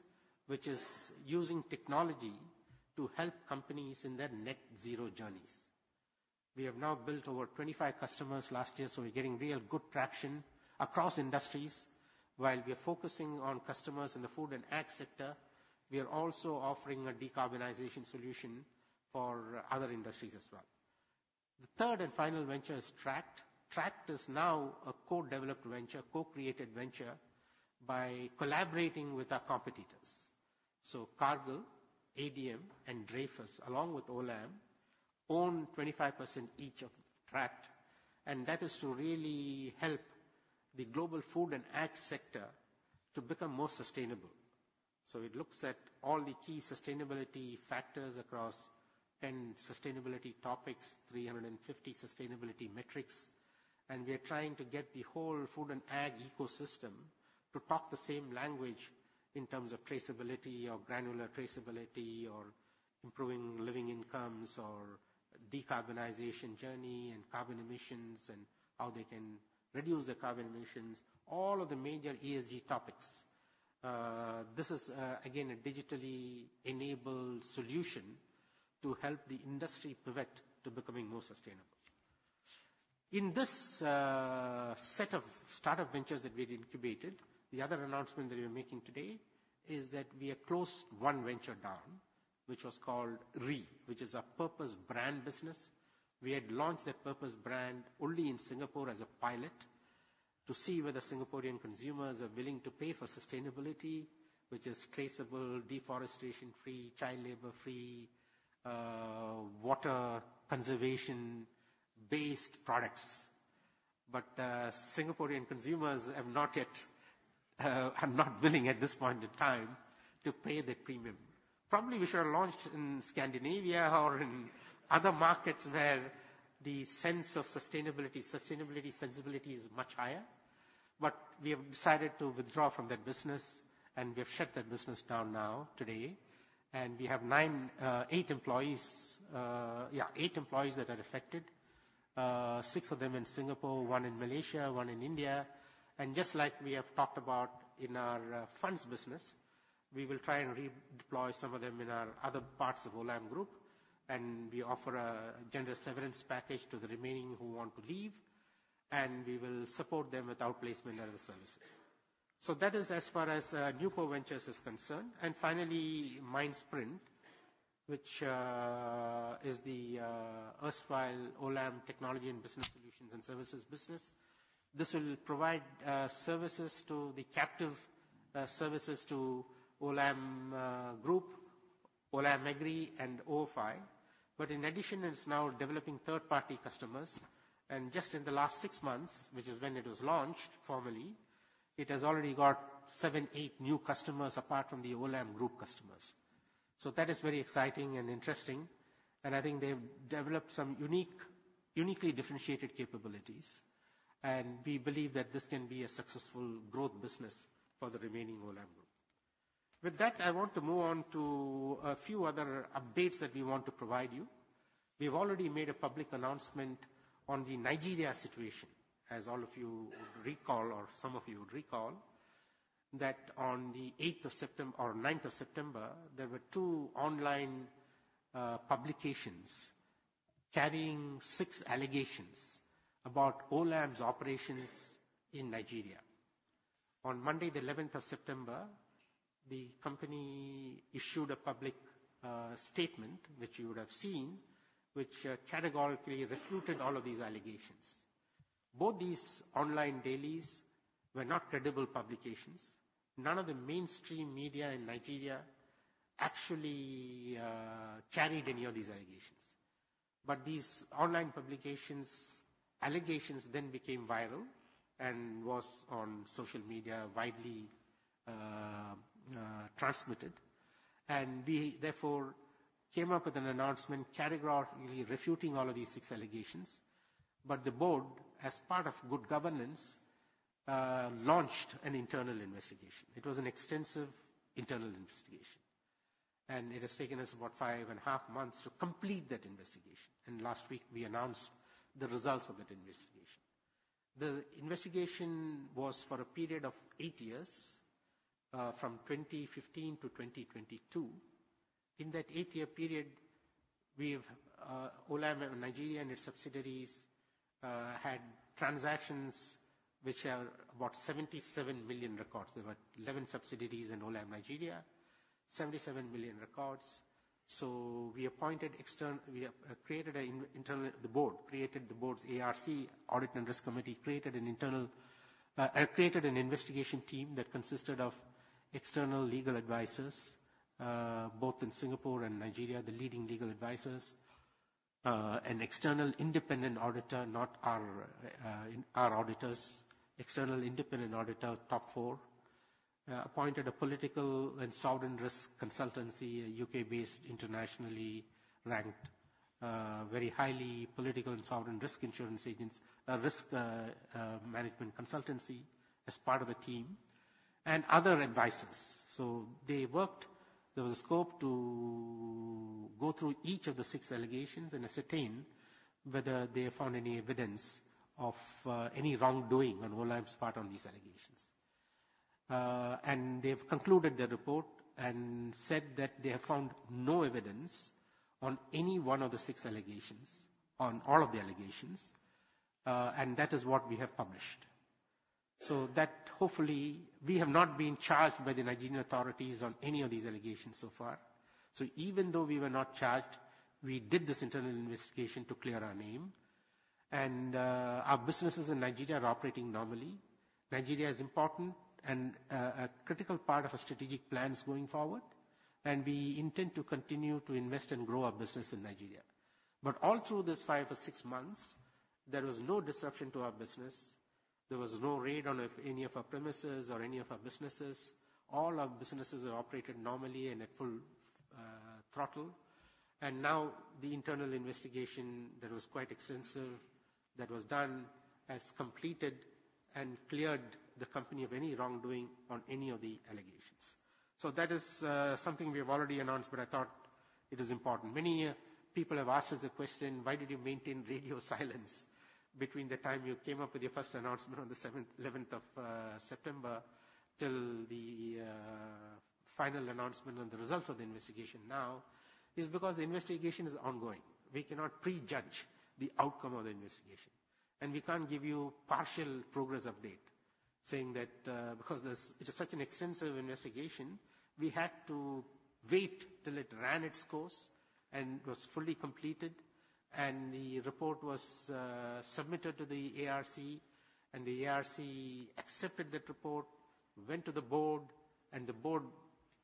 which is using technology to help companies in their net zero journeys. We have now built over 25 customers last year, so we're getting real good traction across industries. While we are focusing on customers in the food and ag sector, we are also offering a decarbonization solution for other industries as well. The third and final venture is TRACT. TRACT is now a co-developed venture, co-created venture by collaborating with our competitors. So Cargill, ADM, and Dreyfus, along with Olam, own 25% each of TRACT, and that is to really help the global food and ag sector to become more sustainable. So it looks at all the key sustainability factors across 10 sustainability topics, 350 sustainability metrics, and we are trying to get the whole food and ag ecosystem to talk the same language in terms of traceability or granular traceability, or improving living incomes, or decarbonization journey and carbon emissions, and how they can reduce their carbon emissions. All of the major ESG topics. This is, again, a digitally enabled solution to help the industry pivot to becoming more sustainable. In this set of startup ventures that we've incubated, the other announcement that we are making today is that we have closed 1 venture down, which was called Re, which is a purpose brand business. We had launched that purpose brand only in Singapore as a pilot to see whether Singaporean consumers are willing to pay for sustainability, which is traceable, deforestation-free, child labor-free, water conservation-based products. But, Singaporean consumers have not yet... are not willing at this point in time to pay the premium. Probably we should have launched in Scandinavia or in other markets where the sense of sustainability, sustainability sensibility is much higher. But we have decided to withdraw from that business, and we have shut that business down now, today, and we have 9, 8 employees, yeah, 8 employees that are affected. Six of them in Singapore, one in Malaysia, one in India. Just like we have talked about in our funds business, we will try and redeploy some of them in our other parts of Olam Group, and we offer a generous severance package to the remaining who want to leave, and we will support them with our placement and other services. That is as far as Nupo Ventures is concerned. Finally, Mindsprint, which is the erstwhile Olam Technology and Business Services business. This will provide services to the captive, services to Olam Group, Olam Agri, and ofi. But in addition, it's now developing third-party customers, and just in the last six months, which is when it was launched formally, it has already got seven, eight new customers apart from the Olam Group customers. So that is very exciting and interesting, and I think they've developed some unique, uniquely differentiated capabilities, and we believe that this can be a successful growth business for the Remaining Olam Group. With that, I want to move on to a few other updates that we want to provide you. We've already made a public announcement on the Nigeria situation. As all of you recall, or some of you would recall, that on the 8th of September or ninth of September, there were two online publications carrying six allegations about Olam's operations in Nigeria. On Monday, the 11th of September, the company issued a public statement, which you would have seen, which categorically refuted all of these allegations. Both these online dailies were not credible publications. None of the mainstream media in Nigeria actually carried any of these allegations. But these online publications allegations then became viral and was on social media widely transmitted, and we therefore came up with an announcement categorically refuting all of these 6 allegations. But the board, as part of good governance, launched an internal investigation. It was an extensive internal investigation. And it has taken us about 5.5 months to complete that investigation, and last week we announced the results of that investigation. The investigation was for a period of 8 years, from 2015 to 2022. In that 8-year period, we've Olam Nigeria and its subsidiaries had transactions which are about 77 million records. There were 11 subsidiaries in Olam Nigeria, 77 million records. So we appointed we have created an internal. The board created the board's ARC, Audit and Risk Committee, created an investigation team that consisted of external legal advisors, both in Singapore and Nigeria, the leading legal advisors. An external independent auditor, not our auditors. External independent auditor, top four. Appointed a political and sovereign risk consultancy, a U.K.-based, internationally ranked, very highly political and sovereign risk insurance agents, risk management consultancy, as part of the team and other advisors. So they worked. There was a scope to go through each of the six allegations and ascertain whether they found any evidence of any wrongdoing on Olam's part on these allegations. And they've concluded their report and said that they have found no evidence on any one of the six allegations, on all of the allegations, and that is what we have published. So that, hopefully, we have not been charged by the Nigerian authorities on any of these allegations so far. So even though we were not charged, we did this internal investigation to clear our name, and our businesses in Nigeria are operating normally. Nigeria is important and a critical part of our strategic plans going forward, and we intend to continue to invest and grow our business in Nigeria. But all through these five or six months, there was no disruption to our business. There was no raid on any of our premises or any of our businesses. All our businesses are operated normally and at full throttle. Now, the internal investigation that was quite extensive, that was done, has completed and cleared the company of any wrongdoing on any of the allegations. So that is something we have already announced, but I thought it is important. Many people have asked us the question: "Why did you maintain radio silence between the time you came up with your first announcement on the 11th of September, till the final announcement on the results of the investigation now?" Is because the investigation is ongoing. We cannot prejudge the outcome of the investigation, and we can't give you partial progress update, saying that, because there's—it is such an extensive investigation, we had to wait till it ran its course and was fully completed, and the report was submitted to the ARC, and the ARC accepted that report, went to the board, and the board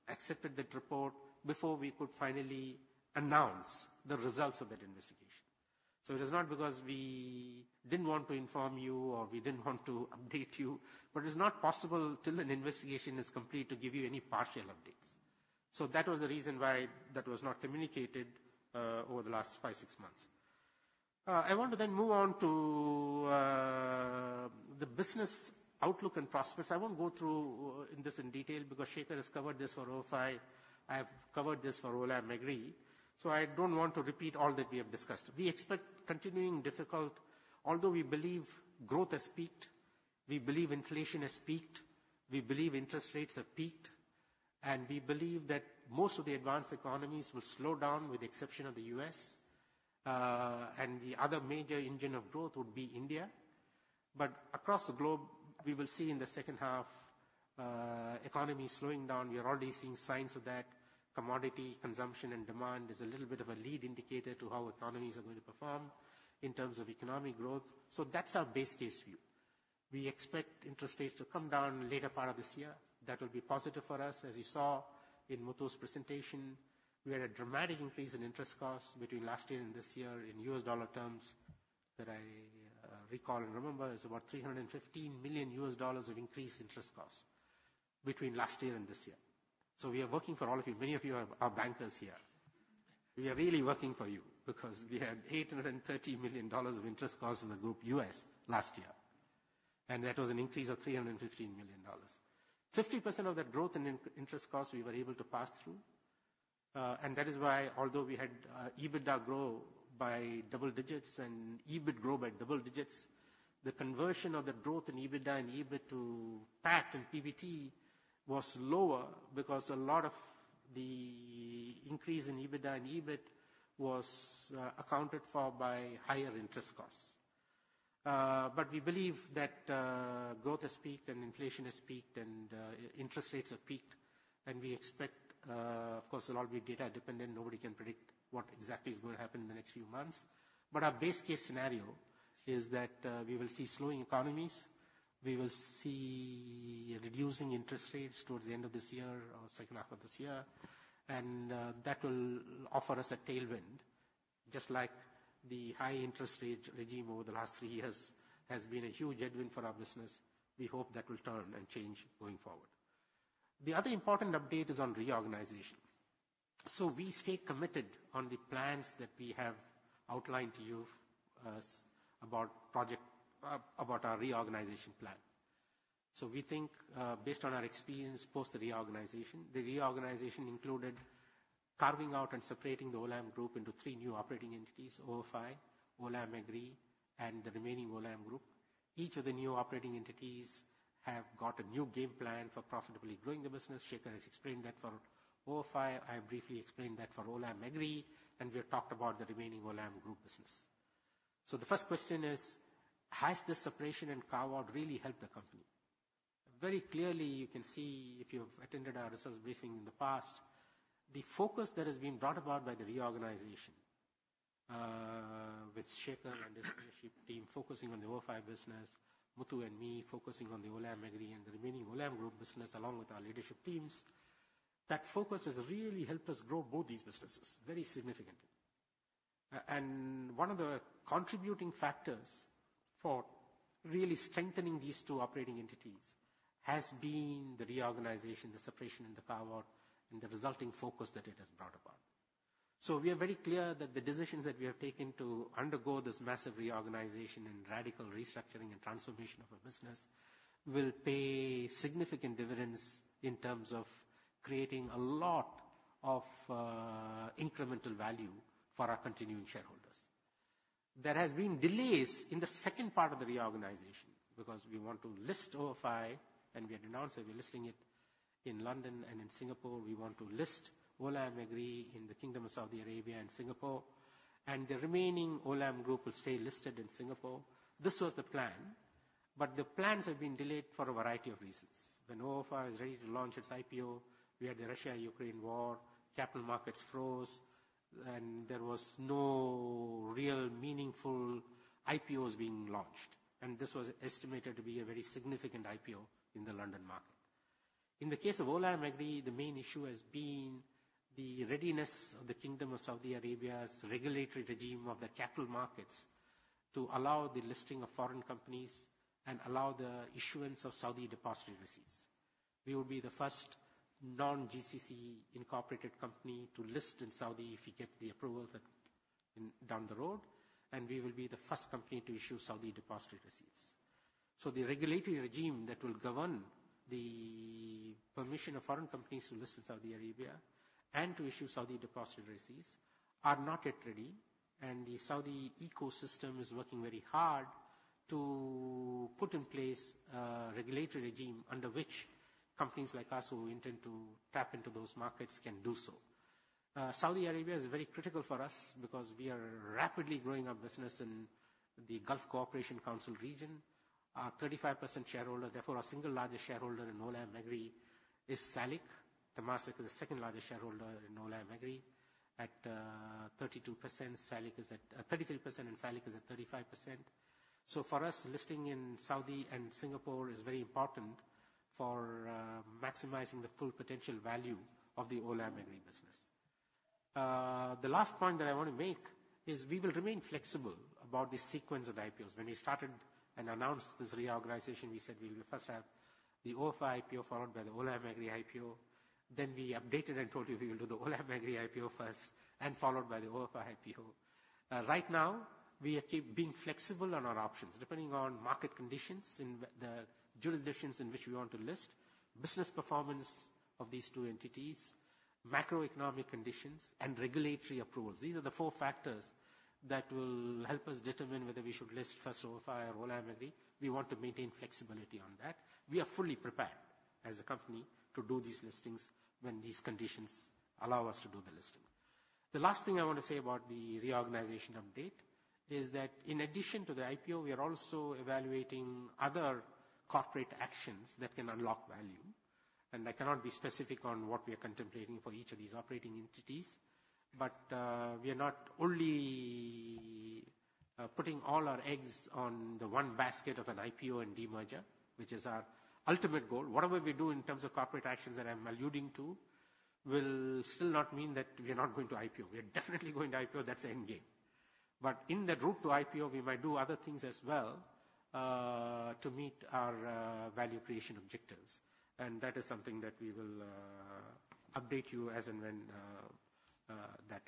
accepted that report before we could finally announce the results of that investigation. So it is not because we didn't want to inform you or we didn't want to update you, but it's not possible till an investigation is complete to give you any partial updates. So that was the reason why that was not communicated over the last five, six months. I want to then move on to the business outlook and prospects. I won't go through in this in detail, because Shekhar has covered this for ofi. I have covered this for Olam Agri, so I don't want to repeat all that we have discussed. We expect continuing difficult... Although we believe growth has peaked, we believe inflation has peaked, we believe interest rates have peaked, and we believe that most of the advanced economies will slow down, with the exception of the U.S., and the other major engine of growth would be India. But across the globe, we will see in the second half, economy slowing down. We are already seeing signs of that. Commodity, consumption, and demand is a little bit of a lead indicator to how economies are going to perform in terms of economic growth. So that's our best case view. We expect interest rates to come down later part of this year. That will be positive for us. As you saw in Muthu's presentation, we had a dramatic increase in interest costs between last year and this year in US dollar terms, that I recall and remember is about $315 million of increased interest costs between last year and this year. So we are working for all of you. Many of you are bankers here. We are really working for you because we had $830 million of interest costs in the group US last year, and that was an increase of 315 million dollars. 50% of that growth in interest costs, we were able to pass through, and that is why although we had EBITDA grow by double digits and EBIT grow by double digits, the conversion of the growth in EBITDA and EBIT to PAT and PBT was lower, because a lot of the increase in EBITDA and EBIT was accounted for by higher interest costs. But we believe that growth has peaked and inflation has peaked and interest rates have peaked, and we expect, of course, it'll all be data dependent. Nobody can predict what exactly is going to happen in the next few months. But our best-case scenario is that we will see slowing economies, we will see reducing interest rates towards the end of this year or second half of this year, and that will offer us a tailwind. Just like the high interest rate regime over the last three years has been a huge headwind for our business, we hope that will turn and change going forward. The other important update is on reorganization. We stay committed on the plans that we have outlined to you about project about our reorganization plan. So we think, based on our experience post the reorganization, the reorganization included carving out and separating the Olam Group into three new operating entities, ofi, Olam Agri, and the remaining Olam Group. Each of the new operating entities have got a new game plan for profitably growing the business. Shekhar has explained that for ofi, I briefly explained that for Olam Agri, and we have talked about the remaining Olam Group business. So the first question is: Has this separation and carve-out really helped the company? Very clearly, you can see, if you've attended our investors briefing in the past, the focus that has been brought about by the reorganization, with Shekhar and his leadership team focusing on the ofi business, Muthu and me focusing on the Olam Agri and the remaining Olam Group business, along with our leadership teams, that focus has really helped us grow both these businesses very significantly. And one of the contributing factors for really strengthening these two operating entities has been the reorganization, the separation, and the carve-out, and the resulting focus that it has brought about. So we are very clear that the decisions that we have taken to undergo this massive reorganization and radical restructuring and transformation of our business will pay significant dividends in terms of creating a lot of incremental value for our continuing shareholders. There has been delays in the second part of the reorganization because we want to list ofi, and we had announced that we're listing it in London and in Singapore. We want to list Olam Agri in the Kingdom of Saudi Arabia and Singapore, and the remaining Olam Group will stay listed in Singapore. This was the plan, but the plans have been delayed for a variety of reasons. When ofi was ready to launch its IPO, we had the Russia-Ukraine war, capital markets froze, and there was no real meaningful IPOs being launched, and this was estimated to be a very significant IPO in the London market. In the case of Olam Agri, the main issue has been the readiness of the Kingdom of Saudi Arabia's regulatory regime of the capital markets, to allow the listing of foreign companies and allow the issuance of Saudi Depositary Receipts. We will be the first non-GCC incorporated company to list in Saudi if we get the approvals down the road, and we will be the first company to issue Saudi depositary receipts. So the regulatory regime that will govern the permission of foreign companies to list in Saudi Arabia and to issue Saudi depositary receipts are not yet ready, and the Saudi ecosystem is working very hard to put in place a regulatory regime under which companies like us, who intend to tap into those markets, can do so. Saudi Arabia is very critical for us because we are rapidly growing our business in the Gulf Cooperation Council region. Our 35% shareholder, therefore our single largest shareholder in Olam Agri, is SALIC. Temasek is the second largest shareholder in Olam Agri at 32%. SALIC is at 33%, and SALIC is at 35%. So for us, listing in Saudi and Singapore is very important for maximizing the full potential value of the Olam Agri business. The last point that I want to make is we will remain flexible about the sequence of the IPOs. When we started and announced this reorganization, we said we will first have the ofi IPO, followed by the Olam Agri IPO. Then we updated and told you we will do the Olam Agri IPO first and followed by the ofi IPO. Right now, we are being flexible on our options, depending on market conditions in the jurisdictions in which we want to list, business performance of these two entities, macroeconomic conditions, and regulatory approvals. These are the four factors that will help us determine whether we should list first ofi or Olam Agri. We want to maintain flexibility on that. We are fully prepared as a company to do these listings when these conditions allow us to do the listing. The last thing I want to say about the reorganization update is that in addition to the IPO, we are also evaluating other corporate actions that can unlock value, and I cannot be specific on what we are contemplating for each of these operating entities. But, we are not only, putting all our eggs on the one basket of an IPO and demerger, which is our ultimate goal. Whatever we do in terms of corporate actions that I'm alluding to, will still not mean that we are not going to IPO. We are definitely going to IPO, that's the end game. But in the route to IPO, we might do other things as well, to meet our value creation objectives, and that is something that we will update you as and when that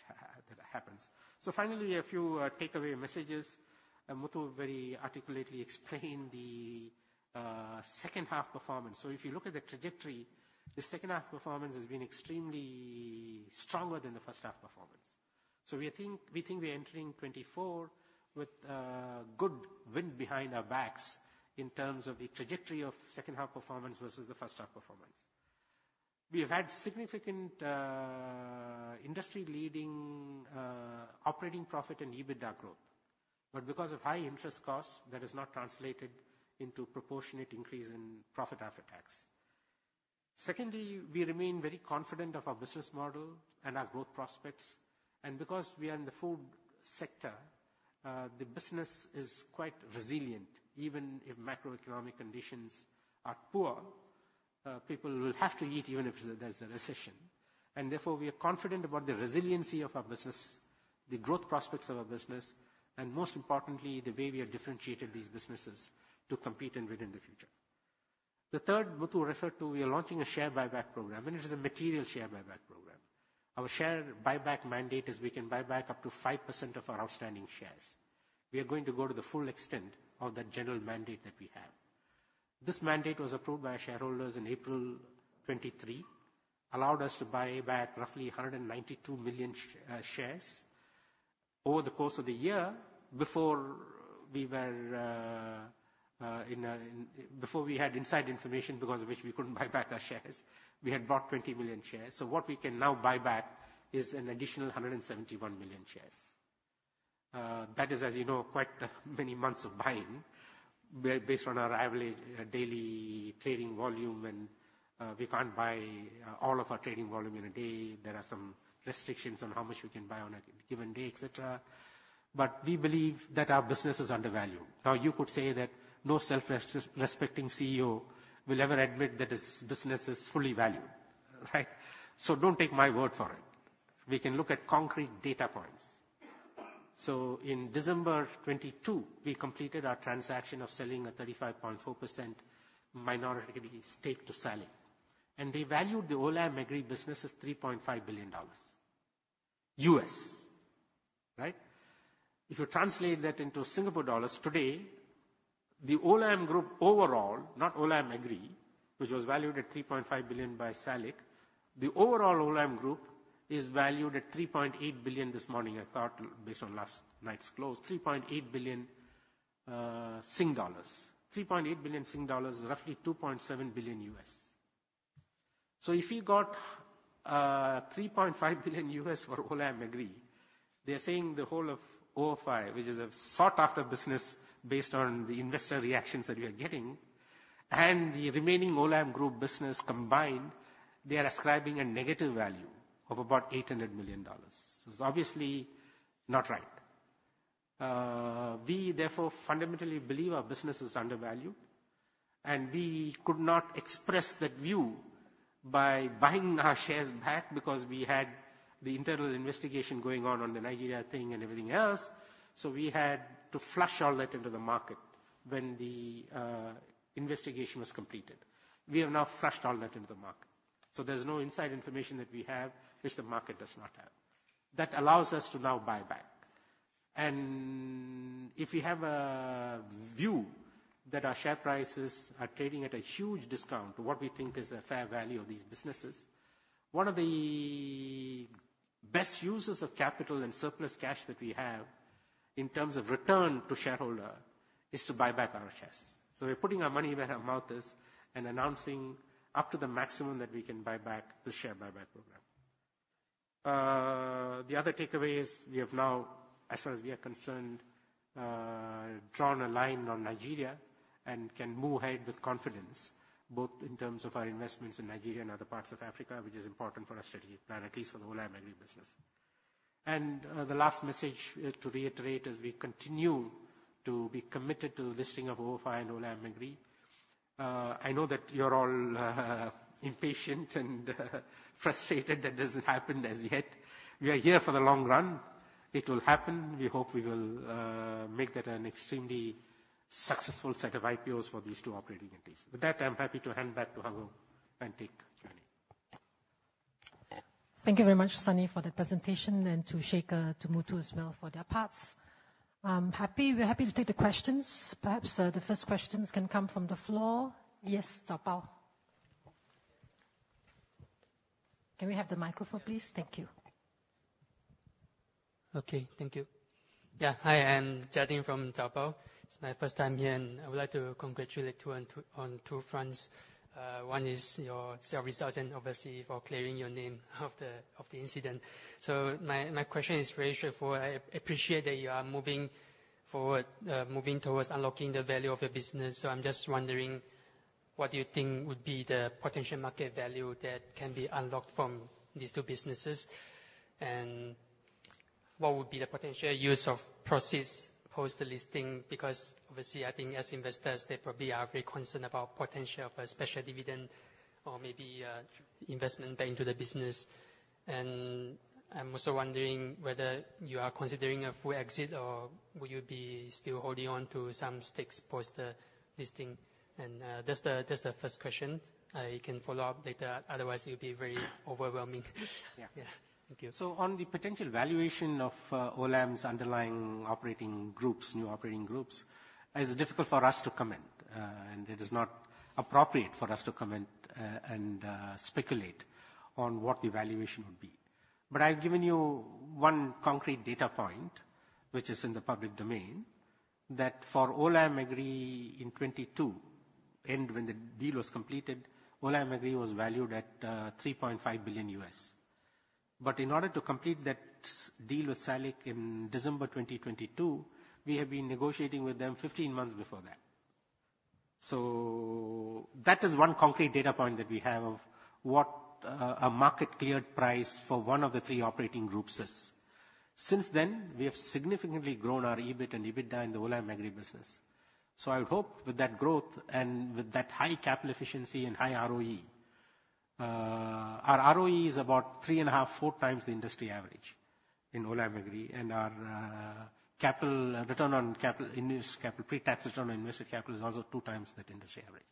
happens. So finally, a few takeaway messages. Muthu very articulately explained the second half performance. So if you look at the trajectory, the second half performance has been extremely stronger than the first half performance. So we think we're entering 2024 with good wind behind our backs in terms of the trajectory of second half performance versus the first half performance. We have had significant industry-leading operating profit and EBITDA growth, but because of high interest costs, that has not translated into proportionate increase in profit after tax. Secondly, we remain very confident of our business model and our growth prospects, and because we are in the food sector, the business is quite resilient. Even if macroeconomic conditions are poor, people will have to eat even if there's a recession. And therefore, we are confident about the resiliency of our business, the growth prospects of our business, and most importantly, the way we have differentiated these businesses to compete and win in the future. The third, Muthu referred to, we are launching a share buyback program, and it is a material share buyback program.... Our share buyback mandate is we can buy back up to 5% of our outstanding shares. We are going to go to the full extent of that general mandate that we have. This mandate was approved by our shareholders in April 2023, allowed us to buy back roughly 192 million shares. Over the course of the year, before we had inside information, because of which we couldn't buy back our shares, we had bought 20 million shares. So what we can now buy back is an additional 171 million shares. That is, as you know, quite many months of buying. Based on our average daily trading volume, and we can't buy all of our trading volume in a day. There are some restrictions on how much we can buy on a given day, et cetera, but we believe that our business is undervalued. Now, you could say that no self-respecting CEO will ever admit that his business is fully valued, right? So don't take my word for it. We can look at concrete data points. So in December 2022, we completed our transaction of selling a 35.4% minority stake to SALIC. And they valued the Olam Agri business as $3.5 billion, right? If you translate that into Singapore dollars, today, the Olam Group overall, not Olam Agri, which was valued at $3.5 billion by SALIC, the overall Olam Group is valued at 3.8 billion this morning. I thought based on last night's close, 3.8 billion Sing dollars, 3.8 billion Sing dollars, roughly $2.7 billion. So if you got, $3.5 billion for Olam Agri, they're saying the whole of ofi, which is a sought-after business, based on the investor reactions that we are getting, and the remaining Olam Group business combined, they are ascribing a negative value of about $800 million. So it's obviously not right. We, therefore, fundamentally believe our business is undervalued, and we could not express that view by buying our shares back because we had the internal investigation going on on the Nigeria thing and everything else, so we had to flush all that into the market when the, investigation was completed. We have now flushed all that into the market, so there's no inside information that we have, which the market does not have. That allows us to now buy back. If we have a view that our share prices are trading at a huge discount to what we think is the fair value of these businesses, one of the best uses of capital and surplus cash that we have, in terms of return to shareholder, is to buy back our shares. We're putting our money where our mouth is and announcing up to the maximum that we can buy back the share buyback program. The other takeaway is we have now, as far as we are concerned, drawn a line on Nigeria and can move ahead with confidence, both in terms of our investments in Nigeria and other parts of Africa, which is important for our strategy plan, at least for the Olam Agri business. The last message to reiterate as we continue to be committed to the listing of ofi and Olam Agri. I know that you're all impatient and frustrated that it hasn't happened as yet. We are here for the long run. It will happen. We hope we will make that an extremely successful set of IPOs for these two operating entities. With that, I'm happy to hand back to Hung Hoeng and take Q&A. Thank you very much, Sunny, for the presentation, and to Shekhar, to Muthu as well, for their parts. We're happy to take the questions. Perhaps, the first questions can come from the floor. Yes, Zaobao. Can we have the microphone, please? Thank you. Okay. Thank you. Yeah, hi, I'm Jia Ding from Zaobao. It's my first time here, and I would like to congratulate you on two fronts. One is your solid results and obviously for clearing your name of the incident. So my question is very straightforward. I appreciate that you are moving forward, moving towards unlocking the value of your business, so I'm just wondering, what do you think would be the potential market value that can be unlocked from these two businesses? And what would be the potential use of proceeds post the listing? Because obviously, I think as investors, they probably are very concerned about potential of a special dividend or maybe investment into the business. And I'm also wondering whether you are considering a full exit, or will you be still holding on to some stakes post the listing? That's the first question. You can follow up later. Otherwise, it will be very overwhelming. Yeah. Yeah. Thank you. So on the potential valuation of Olam's underlying operating groups, new operating groups, it's difficult for us to comment, and it is not appropriate for us to comment, and speculate on what the valuation would be. But I've given you one concrete data point, which is in the public domain, that for Olam Agri in 2022, and when the deal was completed, Olam Agri was valued at $3.5 billion. But in order to complete that deal with SALIC in December 2022, we have been negotiating with them 15 months before that. So that is one concrete data point that we have of what a market-cleared price for one of the three operating groups is. Since then, we have significantly grown our EBIT and EBITDA in the Olam Agri business. So I would hope with that growth and with that high capital efficiency and high ROE. Our ROE is about 3.5-4 times the industry average in Olam Agri, and our capital return on capital, invested capital, pre-tax return on invested capital is also 2 times that industry average.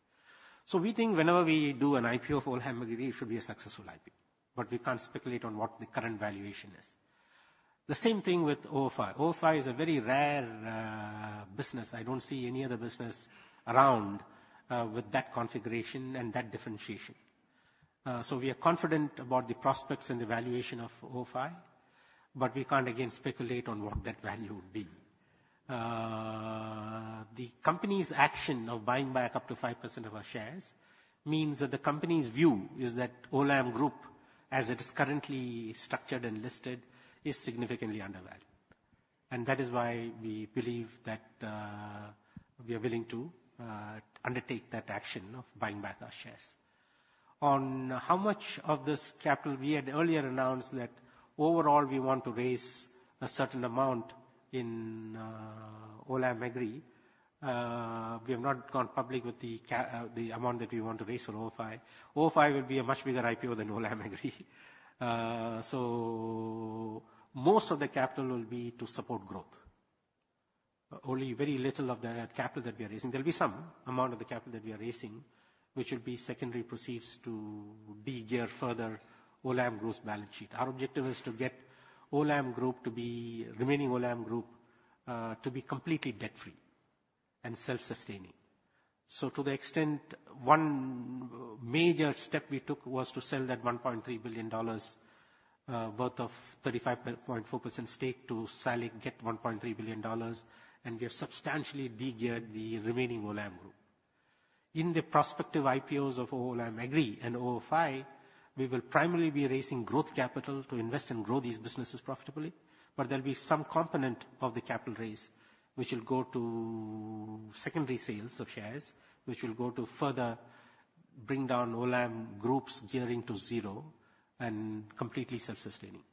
So we think whenever we do an IPO for Olam Agri, it should be a successful IPO, but we can't speculate on what the current valuation is. The same thing with ofi. ofi is a very rare business. I don't see any other business around with that configuration and that differentiation. So we are confident about the prospects and the valuation of ofi, but we can't again speculate on what that value would be. The company's action of buying back up to 5% of our shares means that the company's view is that Olam Group, as it is currently structured and listed, is significantly undervalued. And that is why we believe that, we are willing to, undertake that action of buying back our shares. On how much of this capital, we had earlier announced that overall we want to raise a certain amount in, Olam Agri. We have not gone public with the amount that we want to raise for ofi. ofi will be a much bigger IPO than Olam Agri. So most of the capital will be to support growth, but only very little of the capital that we are raising. There will be some amount of the capital that we are raising, which will be secondary proceeds to de-gear further Olam Group's balance sheet. Our objective is to get Olam Group to be, remaining Olam Group, to be completely debt-free and self-sustaining. So to the extent, one major step we took was to sell that $1.3 billion worth of 35.4% stake to SALIC, get $1.3 billion, and we have substantially degeared the remaining Olam Group. In the prospective IPOs of Olam Agri and ofi, we will primarily be raising growth capital to invest and grow these businesses profitably, but there'll be some component of the capital raise which will go to secondary sales of shares, which will go to further bring down Olam Group's gearing to zero and completely self-sustaining.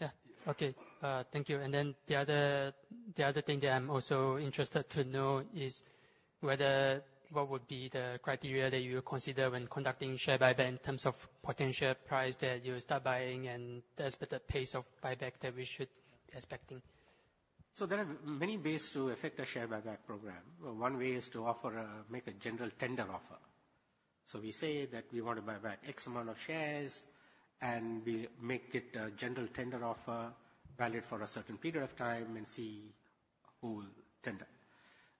Yeah. Okay. Thank you. Then the other thing that I'm also interested to know is whether what would be the criteria that you consider when conducting share buyback in terms of potential price that you start buying, and the pace of buyback that we should be expecting? So there are many ways to affect a share buyback program. One way is to offer a, make a general tender offer. So we say that we want to buy back X amount of shares, and we make it a general tender offer, valid for a certain period of time, and see who will tender.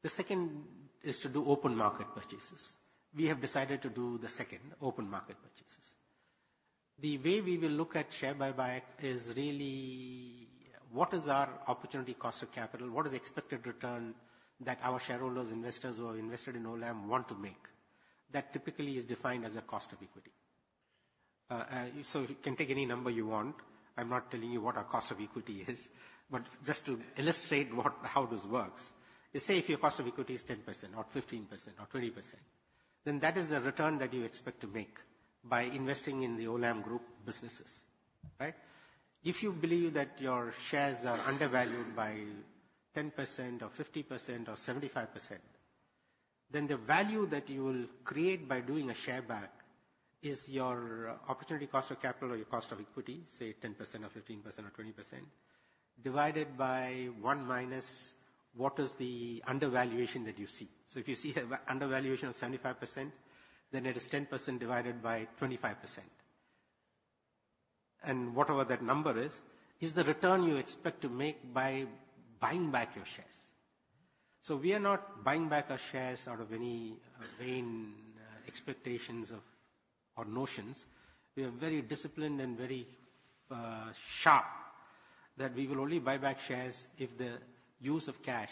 The second is to do open market purchases. We have decided to do the second, open market purchases. The way we will look at share buyback is really what is our opportunity cost of capital? What is the expected return that our shareholders, investors who have invested in Olam, want to make? That typically is defined as a cost of equity. So you can take any number you want. I'm not telling you what our cost of equity is, but just to illustrate how this works, let's say if your cost of equity is 10% or 15% or 20%, then that is the return that you expect to make by investing in the Olam Group businesses, right? If you believe that your shares are undervalued by 10% or 50% or 75%, then the value that you will create by doing a share buyback is your opportunity cost of capital or your cost of equity, say 10% or 15% or 20%, divided by one minus what is the undervaluation that you see. So if you see an undervaluation of 75%, then it is 10% divided by 25%. And whatever that number is, is the return you expect to make by buying back your shares. So we are not buying back our shares out of any vain expectations of, or notions. We are very disciplined and very, sharp, that we will only buy back shares if the use of cash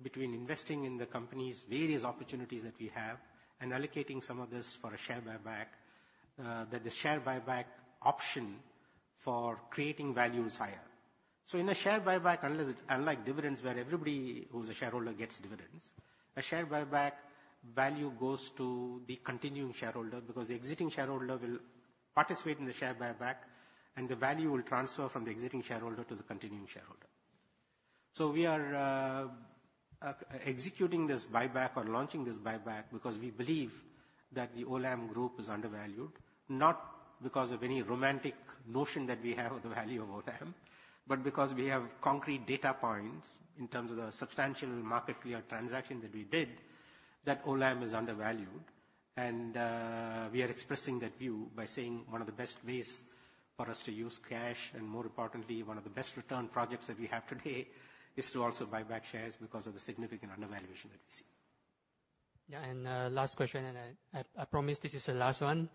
between investing in the company's various opportunities that we have and allocating some of this for a share buyback, that the share buyback option for creating value is higher. So in a share buyback, unless unlike dividends, where everybody who's a shareholder gets dividends, a share buyback value goes to the continuing shareholder because the existing shareholder will participate in the share buyback, and the value will transfer from the existing shareholder to the continuing shareholder. So we are executing this buyback or launching this buyback because we believe that the Olam Group is undervalued, not because of any romantic notion that we have of the value of Olam, but because we have concrete data points in terms of the substantial market clear transaction that we did, that Olam is undervalued. And we are expressing that view by saying one of the best ways for us to use cash, and more importantly, one of the best return projects that we have today, is to also buy back shares because of the significant undervaluation that we see. Yeah, and last question, and I promise this is the last one.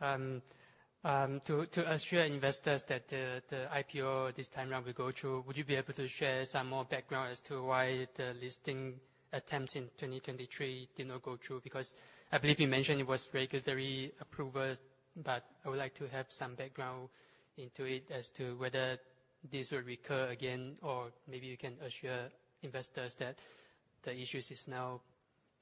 To assure investors that the IPO this time around will go through, would you be able to share some more background as to why the listing attempts in 2023 did not go through? Because I believe you mentioned it was regulatory approvals, but I would like to have some background into it as to whether this will recur again, or maybe you can assure investors that the issues is now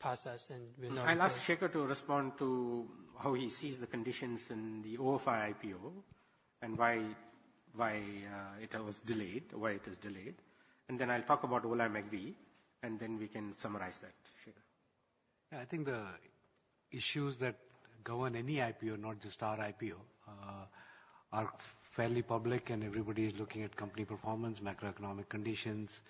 past us, and we're not- I'll ask Shekhar to respond to how he sees the conditions in the ofi IPO and why, why, it was delayed, or why it is delayed. And then I'll talk about Olam Agri, and then we can summarize that, Shekhar.... Yeah, I think the issues that govern any IPO, not just our IPO, are fairly public, and everybody is looking at company performance, macroeconomic conditions,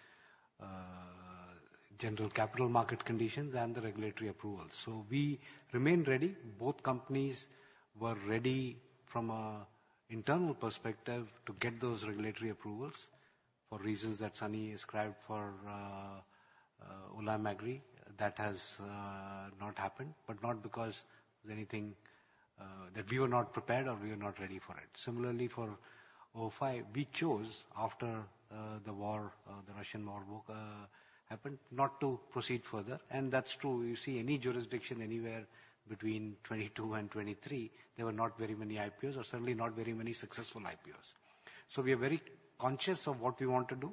general capital market conditions, and the regulatory approvals. So we remain ready. Both companies were ready from an internal perspective to get those regulatory approvals. For reasons that Sunny described for Olam Agri, that has not happened, but not because there's anything that we were not prepared or we were not ready for it. Similarly, for ofi, we chose, after the war, the Russian war happened, not to proceed further, and that's true. You see, in any jurisdiction anywhere between 2022 and 2023, there were not very many IPOs or certainly not very many successful IPOs. So we are very conscious of what we want to do.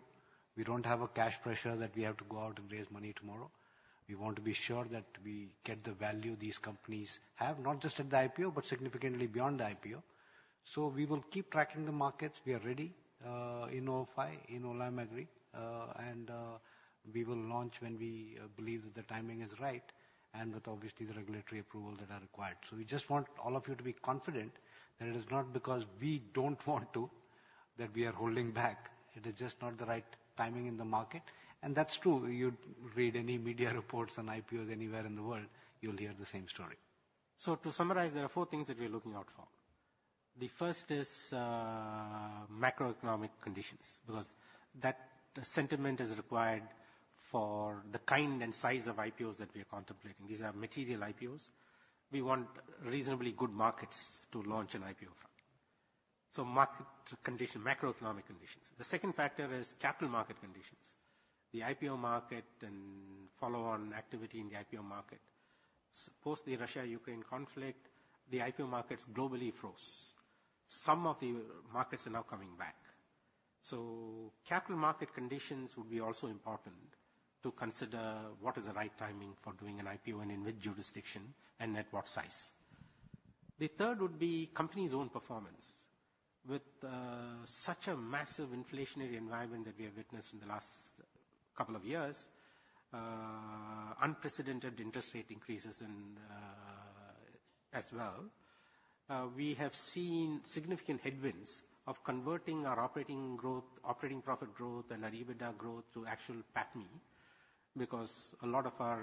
We don't have a cash pressure that we have to go out and raise money tomorrow. We want to be sure that we get the value these companies have, not just at the IPO, but significantly beyond the IPO. So we will keep tracking the markets. We are ready, in ofi, in Olam Agri, and we will launch when we believe that the timing is right and with obviously the regulatory approvals that are required. So we just want all of you to be confident that it is not because we don't want to, that we are holding back. It is just not the right timing in the market, and that's true. You read any media reports on IPOs anywhere in the world, you'll hear the same story. So to summarize, there are four things that we're looking out for. The first is macroeconomic conditions, because that sentiment is required for the kind and size of IPOs that we are contemplating. These are material IPOs. We want reasonably good markets to launch an IPO from. So market condition, macroeconomic conditions. The second factor is capital market conditions, the IPO market and follow-on activity in the IPO market. Post the Russia-Ukraine conflict, the IPO markets globally froze. Some of the markets are now coming back. So capital market conditions will be also important to consider what is the right timing for doing an IPO and in which jurisdiction and network size. The third would be company's own performance. With such a massive inflationary environment that we have witnessed in the last couple of years, unprecedented interest rate increases and, as well, we have seen significant headwinds of converting our operating growth, operating profit growth, and our EBITDA growth to actual PATMI, because a lot of our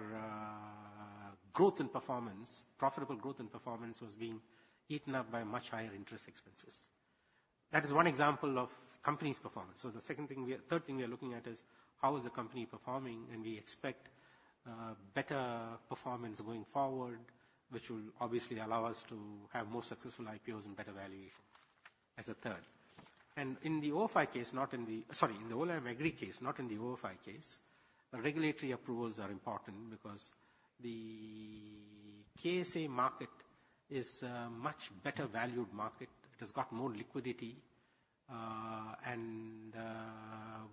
growth and performance, profitable growth and performance, was being eaten up by much higher interest expenses. That is one example of company's performance. So the third thing we are looking at is: How is the company performing? And we expect better performance going forward, which will obviously allow us to have more successful IPOs and better valuations as a third. And in the ofi case, not in the... Sorry, in the Olam Agri case, not in the ofi case, regulatory approvals are important because the KSA market is a much better valued market. It has got more liquidity, and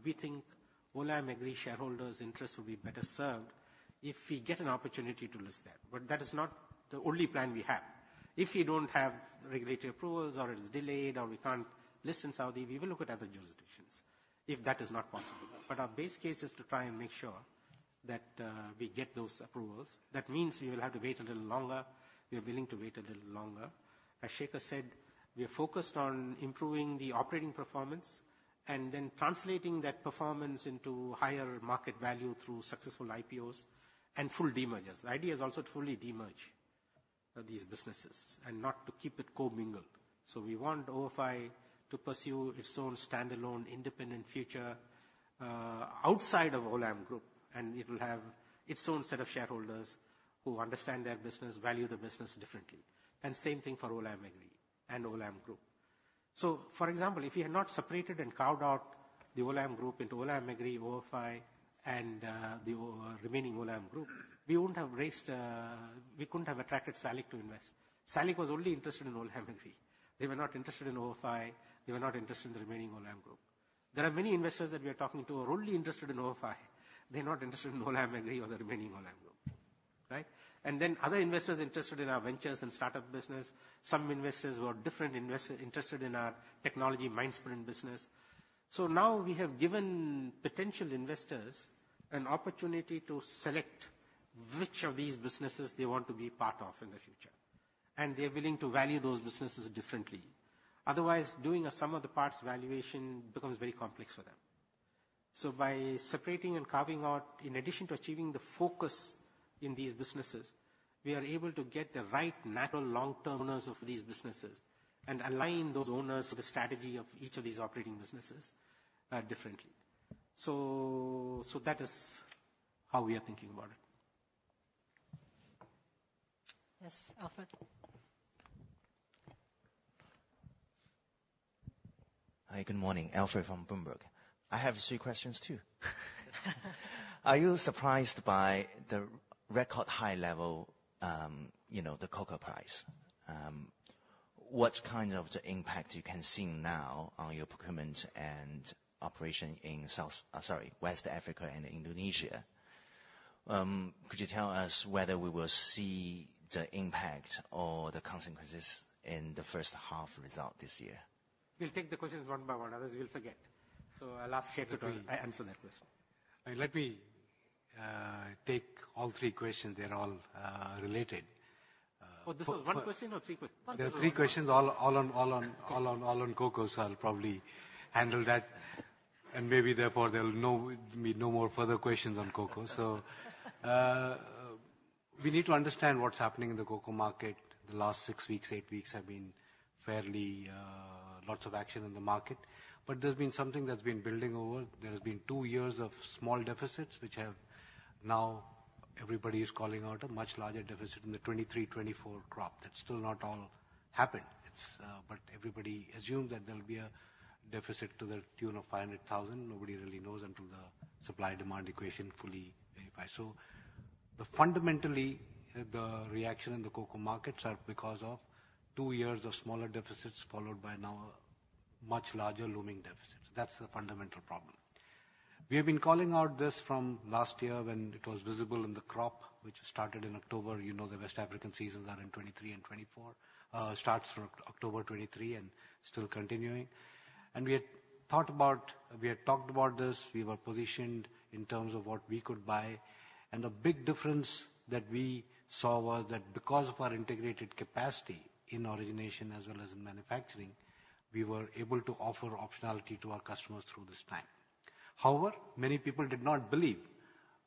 we think Olam Agri shareholders' interest will be better served if we get an opportunity to list there, but that is not the only plan we have. If we don't have regulatory approvals, or it is delayed, or we can't list in Saudi, we will look at other jurisdictions if that is not possible. But our base case is to try and make sure that we get those approvals. That means we will have to wait a little longer. We are willing to wait a little longer. As Shekhar said, we are focused on improving the operating performance and then translating that performance into higher market value through successful IPOs and full demergers. The idea is also to fully demerge these businesses and not to keep it commingled. So we want ofi to pursue its own standalone, independent future outside of Olam Group, and it will have its own set of shareholders who understand their business, value the business differently, and same thing for Olam Agri and Olam Group. So for example, if we had not separated and carved out the Olam Group into Olam Agri, ofi, and the remaining Olam Group, we wouldn't have raised; we couldn't have attracted SALIC to invest. SALIC was only interested in Olam Agri. They were not interested in ofi. They were not interested in the remaining Olam Group. There are many investors that we are talking to are only interested in ofi. They're not interested in Olam Agri or the remaining Olam Group, right? And then other investors interested in our ventures and startup business, some investors who are interested in our technology, Mindsprint business. So now we have given potential investors an opportunity to select which of these businesses they want to be part of in the future, and they're willing to value those businesses differently. Otherwise, doing a sum of the parts valuation becomes very complex for them. So by separating and carving out, in addition to achieving the focus in these businesses, we are able to get the right natural long-term owners of these businesses and align those owners to the strategy of each of these operating businesses, differently. So, so that is how we are thinking about it. Yes, Alfred? Hi, good morning. Alfred from Bloomberg. I have three questions, too. Are you surprised by the record high level, you know, the cocoa price? What kind of the impact you can see now on your procurement and operation in South, sorry, West Africa and Indonesia? Could you tell us whether we will see the impact or the consequences in the first half result this year? We'll take the questions one by one, otherwise we'll forget.... So I'll ask Secretary to answer that question. Let me take all three questions. They're all related. Oh, this was one question or three questions? One question. There are three questions, all on cocoa, so I'll probably handle that. Maybe therefore there'll be no more further questions on cocoa. So, we need to understand what's happening in the cocoa market. The last six weeks, eight weeks have been fairly lots of action in the market. But there's been something that's been building over. There has been two years of small deficits, which have now everybody is calling out a much larger deficit in the 2023, 2024 crop. That's still not all happened. It's, but everybody assumes that there'll be a deficit to the tune of 500,000. Nobody really knows until the supply-demand equation fully verify. So but fundamentally, the reaction in the cocoa markets are because of two years of smaller deficits, followed by now a much larger looming deficit. That's the fundamental problem. We have been calling out this from last year when it was visible in the crop, which started in October. You know, the West African seasons are in 2023 and 2024. Starts from October 2023 and still continuing. And we had talked about this. We were positioned in terms of what we could buy. And the big difference that we saw was that because of our integrated capacity in origination as well as in manufacturing, we were able to offer optionality to our customers through this time. However, many people did not believe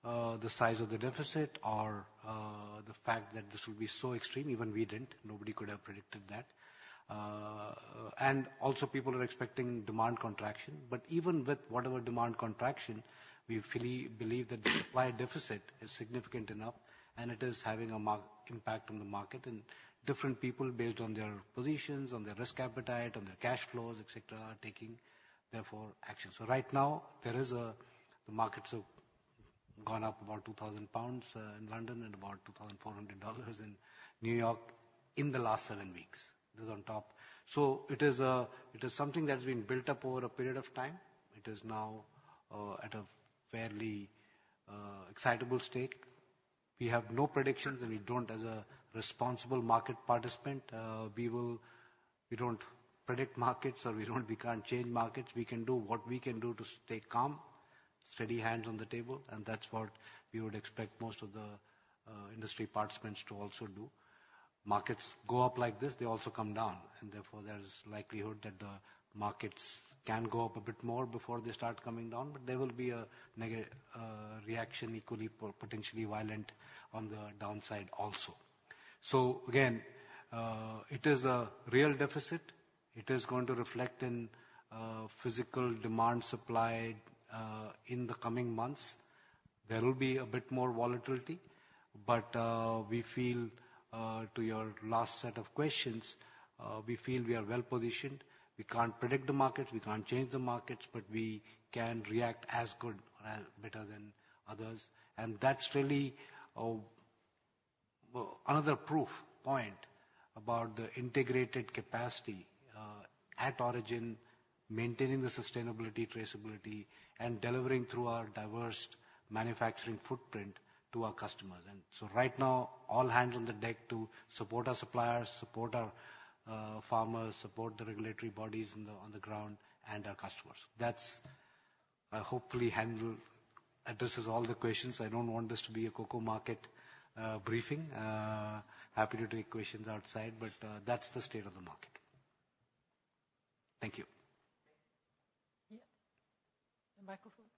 the size of the deficit or the fact that this would be so extreme. Even we didn't. Nobody could have predicted that. And also, people are expecting demand contraction. But even with whatever demand contraction, we fully believe that the supply deficit is significant enough, and it is having a market impact on the market. And different people, based on their positions, on their risk appetite, on their cash flows, et cetera, are taking therefore action. So right now there is a. The markets have gone up about 2,000 pounds in London and about $2,400 in New York in the last seven weeks. This is on top. So it is a, it is something that has been built up over a period of time. It is now at a fairly excitable state. We have no predictions, and we don't as a responsible market participant. We don't predict markets, or we can't change markets. We can do what we can do to stay calm, steady hands on the table, and that's what we would expect most of the industry participants to also do. Markets go up like this, they also come down, and therefore there is likelihood that the markets can go up a bit more before they start coming down. But there will be a negative reaction, equally or potentially violent on the downside also. So again, it is a real deficit. It is going to reflect in physical demand, supply in the coming months. There will be a bit more volatility, but we feel, to your last set of questions, we feel we are well positioned. We can't predict the markets, we can't change the markets, but we can react as good or better than others. And that's really, well, another proof point about the integrated capacity at origin, maintaining the sustainability, traceability, and delivering through our diverse manufacturing footprint to our customers. And so right now, all hands on deck to support our suppliers, support our farmers, support the regulatory bodies on the ground and our customers. That's hopefully addresses all the questions. I don't want this to be a cocoa market briefing. Happy to take questions outside, but that's the state of the market. Thank you. Yeah. The microphone.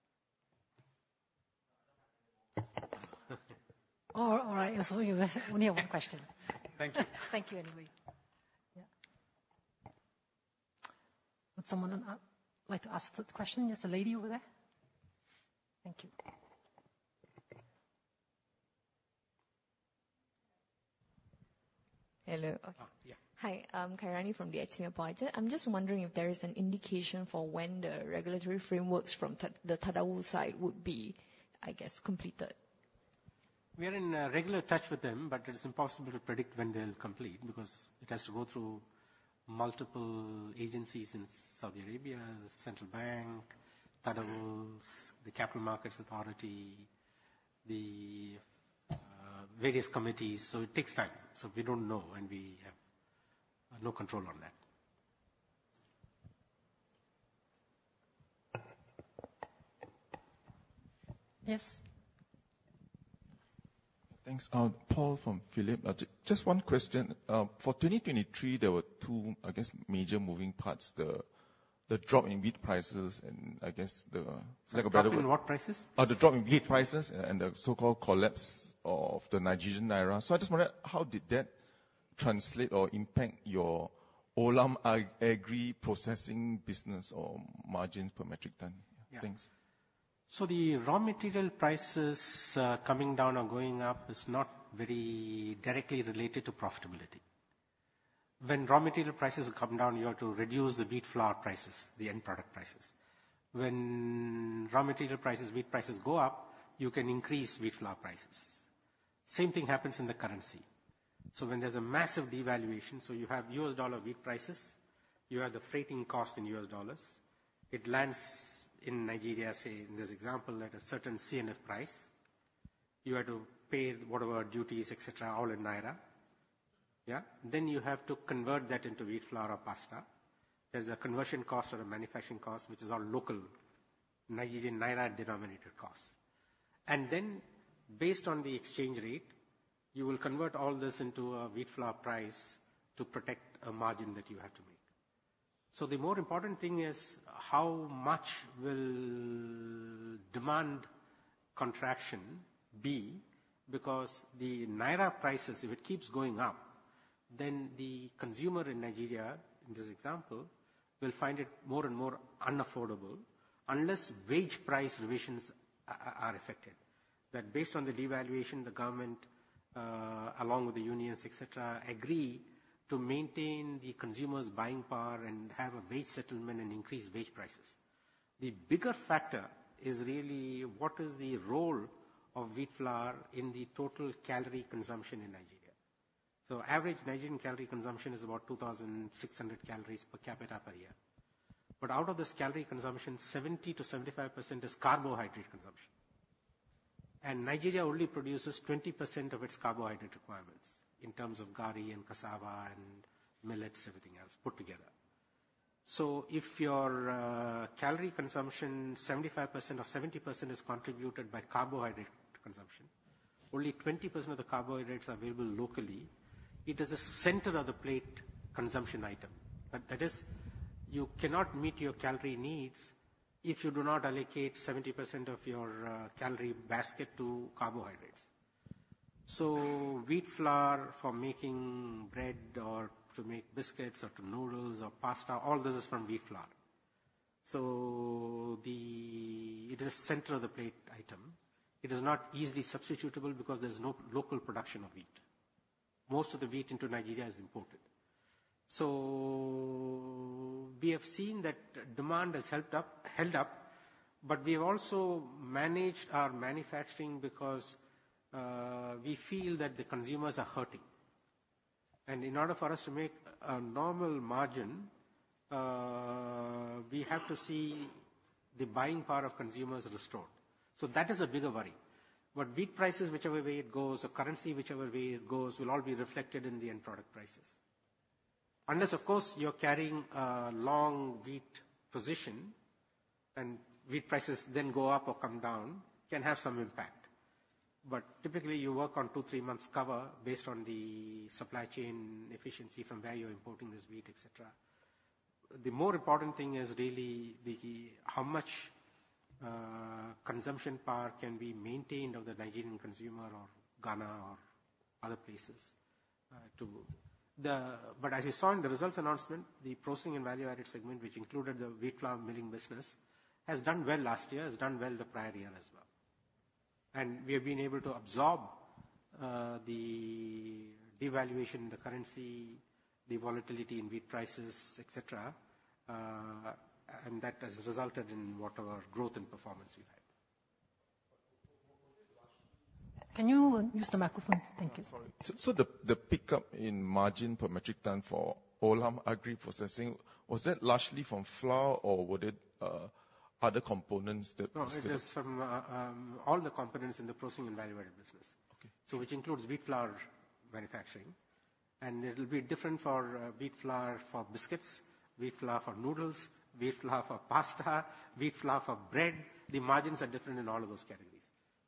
All right, so you only have one question. Thank you. Thank you anyway. Yeah. Would someone like to ask the question? There's a lady over there. Thank you. Hello. Ah, yeah. Hi, Khairani from the The Edge Singapore. I'm just wondering if there is an indication for when the regulatory frameworks from the Tadawul side would be, I guess, completed? We are in regular touch with them, but it is impossible to predict when they'll complete, because it has to go through multiple agencies in Saudi Arabia, the Central Bank, Tadawul, the Capital Markets Authority, the various committees, so it takes time. So we don't know, and we have no control on that. Yes. Thanks. Paul from Phillip. Just one question. For 2023, there were two, I guess, major moving parts, the drop in wheat prices and I guess the lack of better- Drop in what prices? The drop in wheat prices- Yeah.... and the so-called collapse of the Nigerian naira. So I just wondered, how did that translate or impact your Olam Agri Processing business or margins per metric ton? Yeah. Thanks. So the raw material prices, coming down or going up is not very directly related to profitability. When raw material prices come down, you have to reduce the wheat flour prices, the end product prices. When raw material prices, wheat prices go up, you can increase wheat flour prices. Same thing happens in the currency. So when there's a massive devaluation, so you have US dollar wheat prices, you have the freighting cost in US dollars. It lands in Nigeria, say, in this example, at a certain CNF price. You have to pay whatever duties, et cetera, all in naira. Yeah, then you have to convert that into wheat flour or pasta. There's a conversion cost or a manufacturing cost, which is our local Nigerian naira denominated costs. And then based on the exchange rate, you will convert all this into a wheat flour price to protect a margin that you have to make. So the more important thing is how much will demand contraction be? Because the naira prices, if it keeps going up, then the consumer in Nigeria, in this example, will find it more and more unaffordable unless wage price revisions are effective. That based on the devaluation, the government, along with the unions, et cetera, agree to maintain the consumer's buying power and have a wage settlement and increase wage prices. The bigger factor is really what is the role of wheat flour in the total calorie consumption in Nigeria? So average Nigerian calorie consumption is about 2,600 calories per capita per year. But out of this calorie consumption, 70%-75% is carbohydrate consumption, and Nigeria only produces 20% of its carbohydrate requirements in terms of garri and cassava and millets, everything else put together. So if your calorie consumption, 75% or 70% is contributed by carbohydrate consumption, only 20% of the carbohydrates are available locally. It is a center of the plate consumption item. But that is, you cannot meet your calorie needs if you do not allocate 70% of your calorie basket to carbohydrates. So wheat flour for making bread or to make biscuits or to noodles or pasta, all this is from wheat flour. So it is a center of the plate item. It is not easily substitutable because there's no local production of wheat. Most of the wheat into Nigeria is imported. So we have seen that demand has held up, but we've also managed our manufacturing because we feel that the consumers are hurting. And in order for us to make a normal margin, we have to see the buying power of consumers restored. So that is a bigger worry. But wheat prices, whichever way it goes, or currency, whichever way it goes, will all be reflected in the end product prices. Unless, of course, you're carrying a long wheat position and wheat prices then go up or come down, can have some impact. But typically, you work on two, three months cover based on the supply chain efficiency from where you're importing this wheat, et cetera. The more important thing is really the how much consumption power can be maintained of the Nigerian consumer or Ghana or other places, to... But as you saw in the results announcement, the Processing and Value-added segment, which included the wheat flour milling business, has done well last year, has done well the prior year as well. And we have been able to absorb the devaluation in the currency, the volatility in wheat prices, et cetera, and that has resulted in whatever growth and performance we've had. Can you use the microphone? Thank you. Yeah, sorry. So, the pickup in margin per metric ton for Olam Agri Processing, was that largely from flour, or were there other components that- No, it is from all the components in the Processing and Value-added business. Okay. So which includes wheat flour manufacturing, and it'll be different for wheat flour for biscuits, wheat flour for noodles, wheat flour for pasta, wheat flour for bread. The margins are different in all of those categories.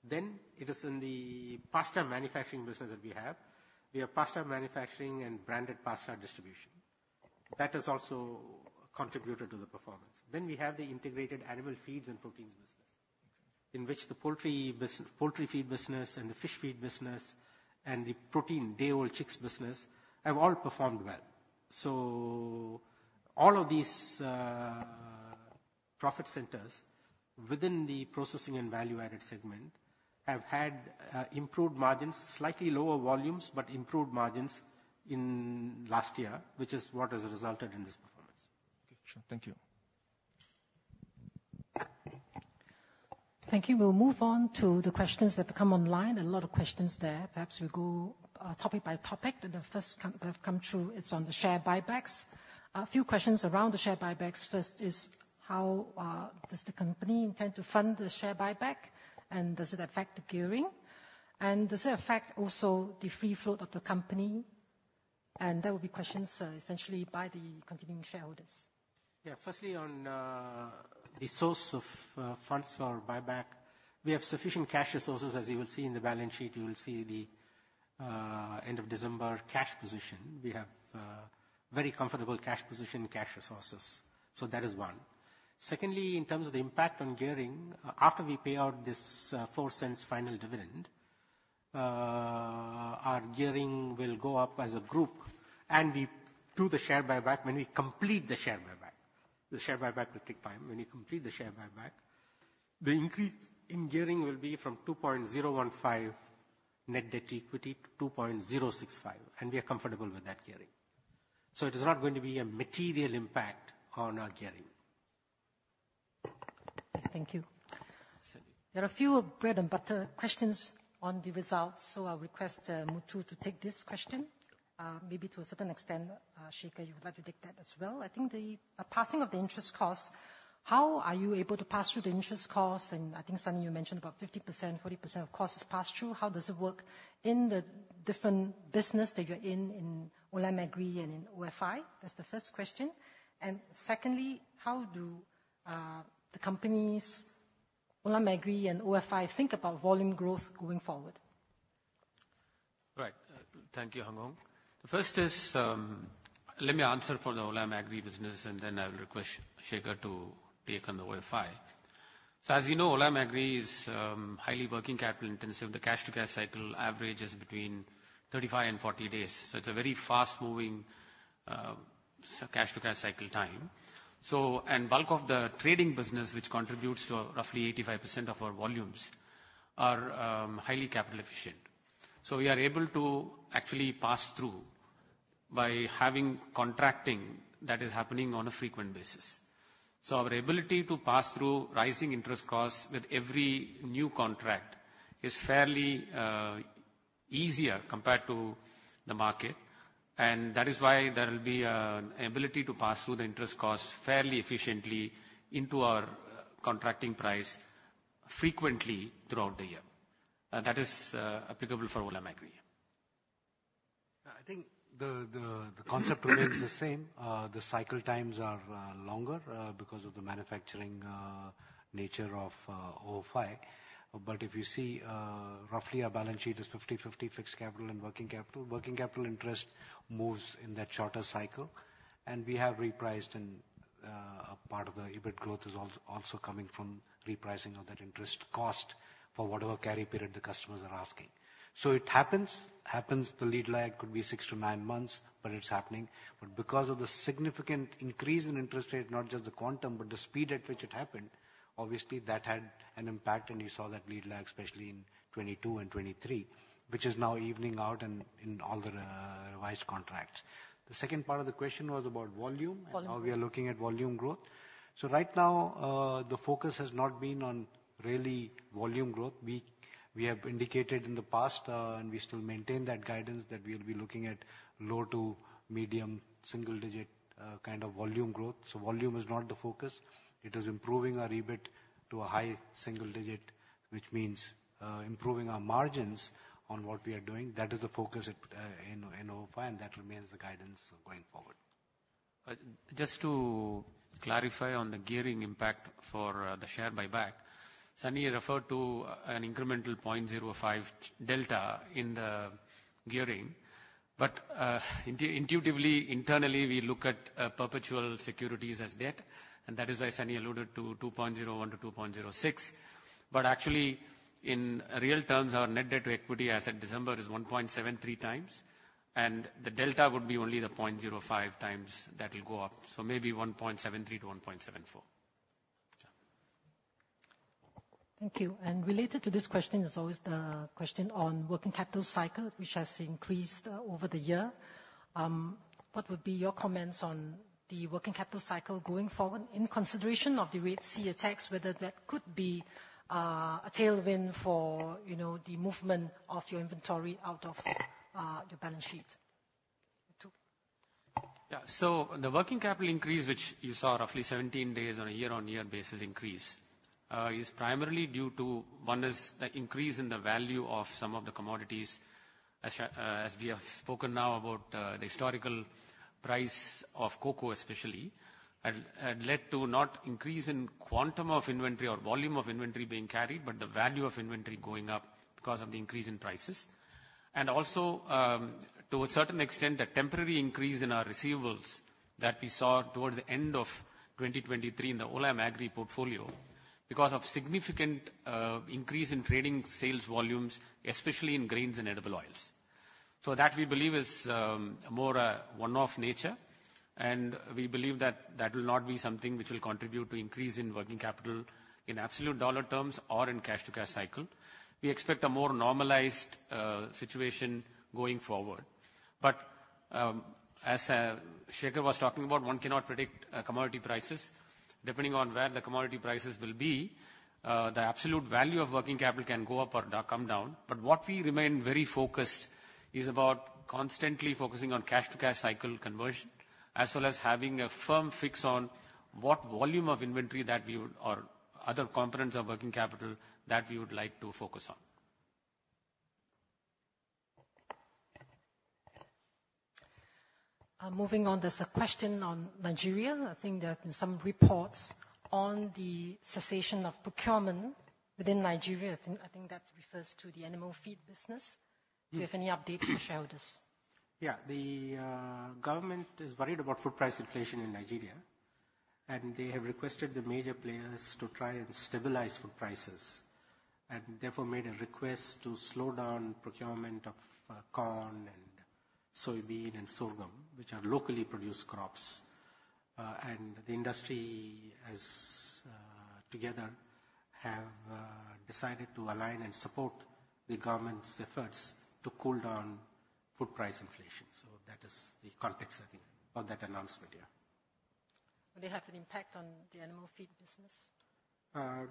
Then it is in the pasta manufacturing business that we have. We have pasta manufacturing and branded pasta distribution. That has also contributed to the performance. Then we have the integrated animal feeds and proteins business, in which the poultry feed business and the fish feed business and the protein day-old chicks business have all performed well. So all of these profit centers within the Processing and Value-added segment have had improved margins, slightly lower volumes, but improved margins in last year, which is what has resulted in this performance. Okay, sure. Thank you. Thank you. We'll move on to the questions that have come online. A lot of questions there. Perhaps we go, topic by topic. The first come, that have come through, it's on the share buybacks. A few questions around the share buybacks. First is: How does the company intend to fund the share buyback, and does it affect the gearing? And does it affect also the free flow of the company? And there will be questions, essentially by the continuing shareholders. Yeah. Firstly, on the source of funds for our buyback, we have sufficient cash resources, as you will see in the balance sheet. You will see the end of December cash position. We have very comfortable cash position and cash resources. So that is one. Secondly, in terms of the impact on gearing, after we pay out this 0.04 final dividend, our gearing will go up as a group, and we do the share buyback when we complete the share buyback. The share buyback will take time. When we complete the share buyback, the increase in gearing will be from 2.015 net debt equity to 2.065, and we are comfortable with that gearing. So it is not going to be a material impact on our gearing. Thank you. There are a few bread and butter questions on the results, so I'll request, Muthu to take this question. Maybe to a certain extent, Shekhar, you would like to take that as well. I think the, passing of the interest costs, how are you able to pass through the interest costs? And I think, Sunny, you mentioned about 50%, 40% of cost is passed through. How does it work in the different business that you're in, Olam Agri and in ofi? That's the first question. And secondly, how do, the companies, Olam Agri and ofi, think about volume growth going forward? Right. Thank you, Hung Hoeng. The first is, let me answer for the Olam Agri business, and then I will request Shekhar to take on the ofi. So as you know, Olam Agri is highly working capital intensive. The cash-to-cash cycle average is between 35 and 40 days, so it's a very fast-moving cash-to-cash cycle time. So and bulk of the trading business, which contributes to roughly 85% of our volumes, are highly capital efficient. So we are able to actually pass through by having contracting that is happening on a frequent basis. So our ability to pass through rising interest costs with every new contract is fairly easier compared to the market, and that is why there will be an ability to pass through the interest costs fairly efficiently into our contracting price frequently throughout the year. That is applicable for Olam Agri. I think the concept remains the same. The cycle times are longer because of the manufacturing nature of ofi. But if you see, roughly our balance sheet is 50/50 fixed capital and working capital. Working capital interest moves in that shorter cycle, and we have repriced, and a part of the EBIT growth is also coming from repricing of that interest cost for whatever carry period the customers are asking. So it happens. The lead lag could be six to nine months, but it's happening. But because of the significant increase in interest rate, not just the quantum, but the speed at which it happened, obviously that had an impact, and you saw that lead lag, especially in 2022 and 2023, which is now evening out in all the revised contracts. The second part of the question was about volume- Volume... and how we are looking at volume growth. So right now, the focus has not been on really volume growth. We, we have indicated in the past, and we still maintain that guidance, that we'll be looking at low to medium single digit, kind of volume growth. So volume is not the focus. It is improving our EBIT to a high single digit, which means, improving our margins on what we are doing. That is the focus at, in, in ofi, and that remains the guidance going forward. Just to clarify on the gearing impact for the share buyback, Sunny referred to an incremental 0.05 delta in the gearing. But intuitively, internally, we look at perpetual securities as debt, and that is why Sunny alluded to 2.01-2.06. But actually, in real terms, our net debt to equity as at December is 1.73 times, and the delta would be only the 0.05 times that will go up, so maybe 1.73-1.74. Yeah. Thank you. Related to this question is always the question on working capital cycle, which has increased over the year. What would be your comments on the working capital cycle going forward in consideration of the Red Sea attacks, whether that could be a tailwind for, you know, the movement of your inventory out of the balance sheet? Yeah. So the working capital increase, which you saw roughly 17 days on a year-on-year basis increase, is primarily due to, one is, the increase in the value of some of the commodities. As we have spoken now about the historical price of cocoa especially, and led to not increase in quantum of inventory or volume of inventory being carried, but the value of inventory going up because of the increase in prices. And also, to a certain extent, a temporary increase in our receivables that we saw towards the end of 2023 in the Olam Agri portfolio, because of significant increase in trading sales volumes, especially in grains and edible oils. So that, we believe, is more one-off nature, and we believe that that will not be something which will contribute to increase in working capital in absolute dollar terms or in cash-to-cash cycle. We expect a more normalized situation going forward. But as Shekhar was talking about, one cannot predict commodity prices. Depending on where the commodity prices will be, the absolute value of working capital can go up or come down. But what we remain very focused is about constantly focusing on cash-to-cash cycle conversion, as well as having a firm fix on what volume of inventory that we would, or other components of working capital, that we would like to focus on. Moving on, there's a question on Nigeria. I think there have been some reports on the cessation of procurement within Nigeria. I think that refers to the animal feed business. Mm-hmm. Do you have any update for shareholders? Yeah. The government is worried about food price inflation in Nigeria, and they have requested the major players to try and stabilize food prices, and therefore made a request to slow down procurement of corn and soybean and sorghum, which are locally produced crops. And the industry has together have decided to align and support the government's efforts to cool down food price inflation. So that is the context, I think, of that announcement here. Will it have an impact on the animal feed business?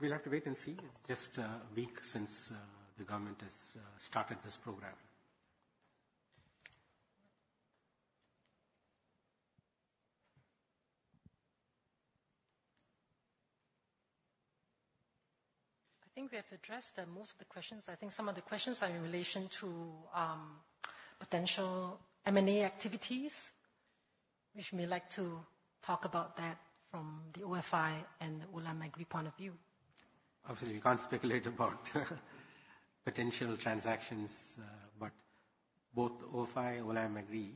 We'll have to wait and see. It's just a week since the government has started this program. I think we have addressed most of the questions. I think some of the questions are in relation to potential M&A activities, which we'd like to talk about that from the ofi and the Olam Agri point of view. Obviously, we can't speculate about potential transactions, but both ofi and Olam Agri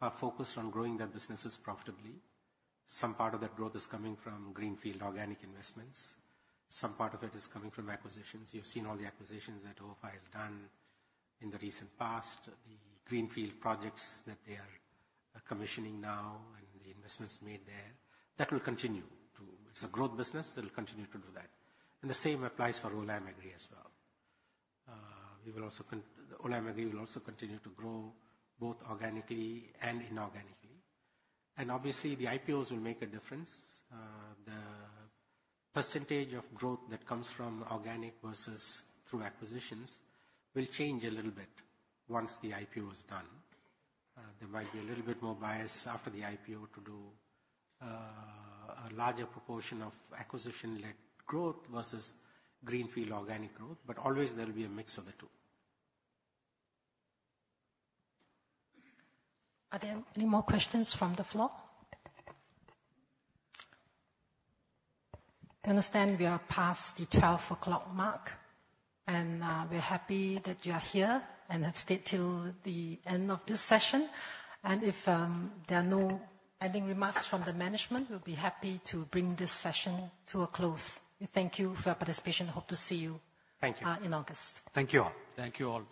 are focused on growing their businesses profitably. Some part of that growth is coming from greenfield organic investments. Some part of it is coming from acquisitions. You've seen all the acquisitions that ofi has done in the recent past, the greenfield projects that they are commissioning now and the investments made there. That will continue to... It's a growth business, they'll continue to do that. And the same applies for Olam Agri as well. Olam Agri will also continue to grow both organically and inorganically. And obviously, the IPOs will make a difference. The percentage of growth that comes from organic versus through acquisitions will change a little bit once the IPO is done. There might be a little bit more bias after the IPO to do a larger proportion of acquisition-led growth versus greenfield organic growth, but always there will be a mix of the two. Are there any more questions from the floor? I understand we are past the 12:00 P.M. mark, and we're happy that you are here and have stayed till the end of this session. And if there are no ending remarks from the management, we'll be happy to bring this session to a close. We thank you for your participation. Hope to see you— Thank you... in August. Thank you all. Thank you all.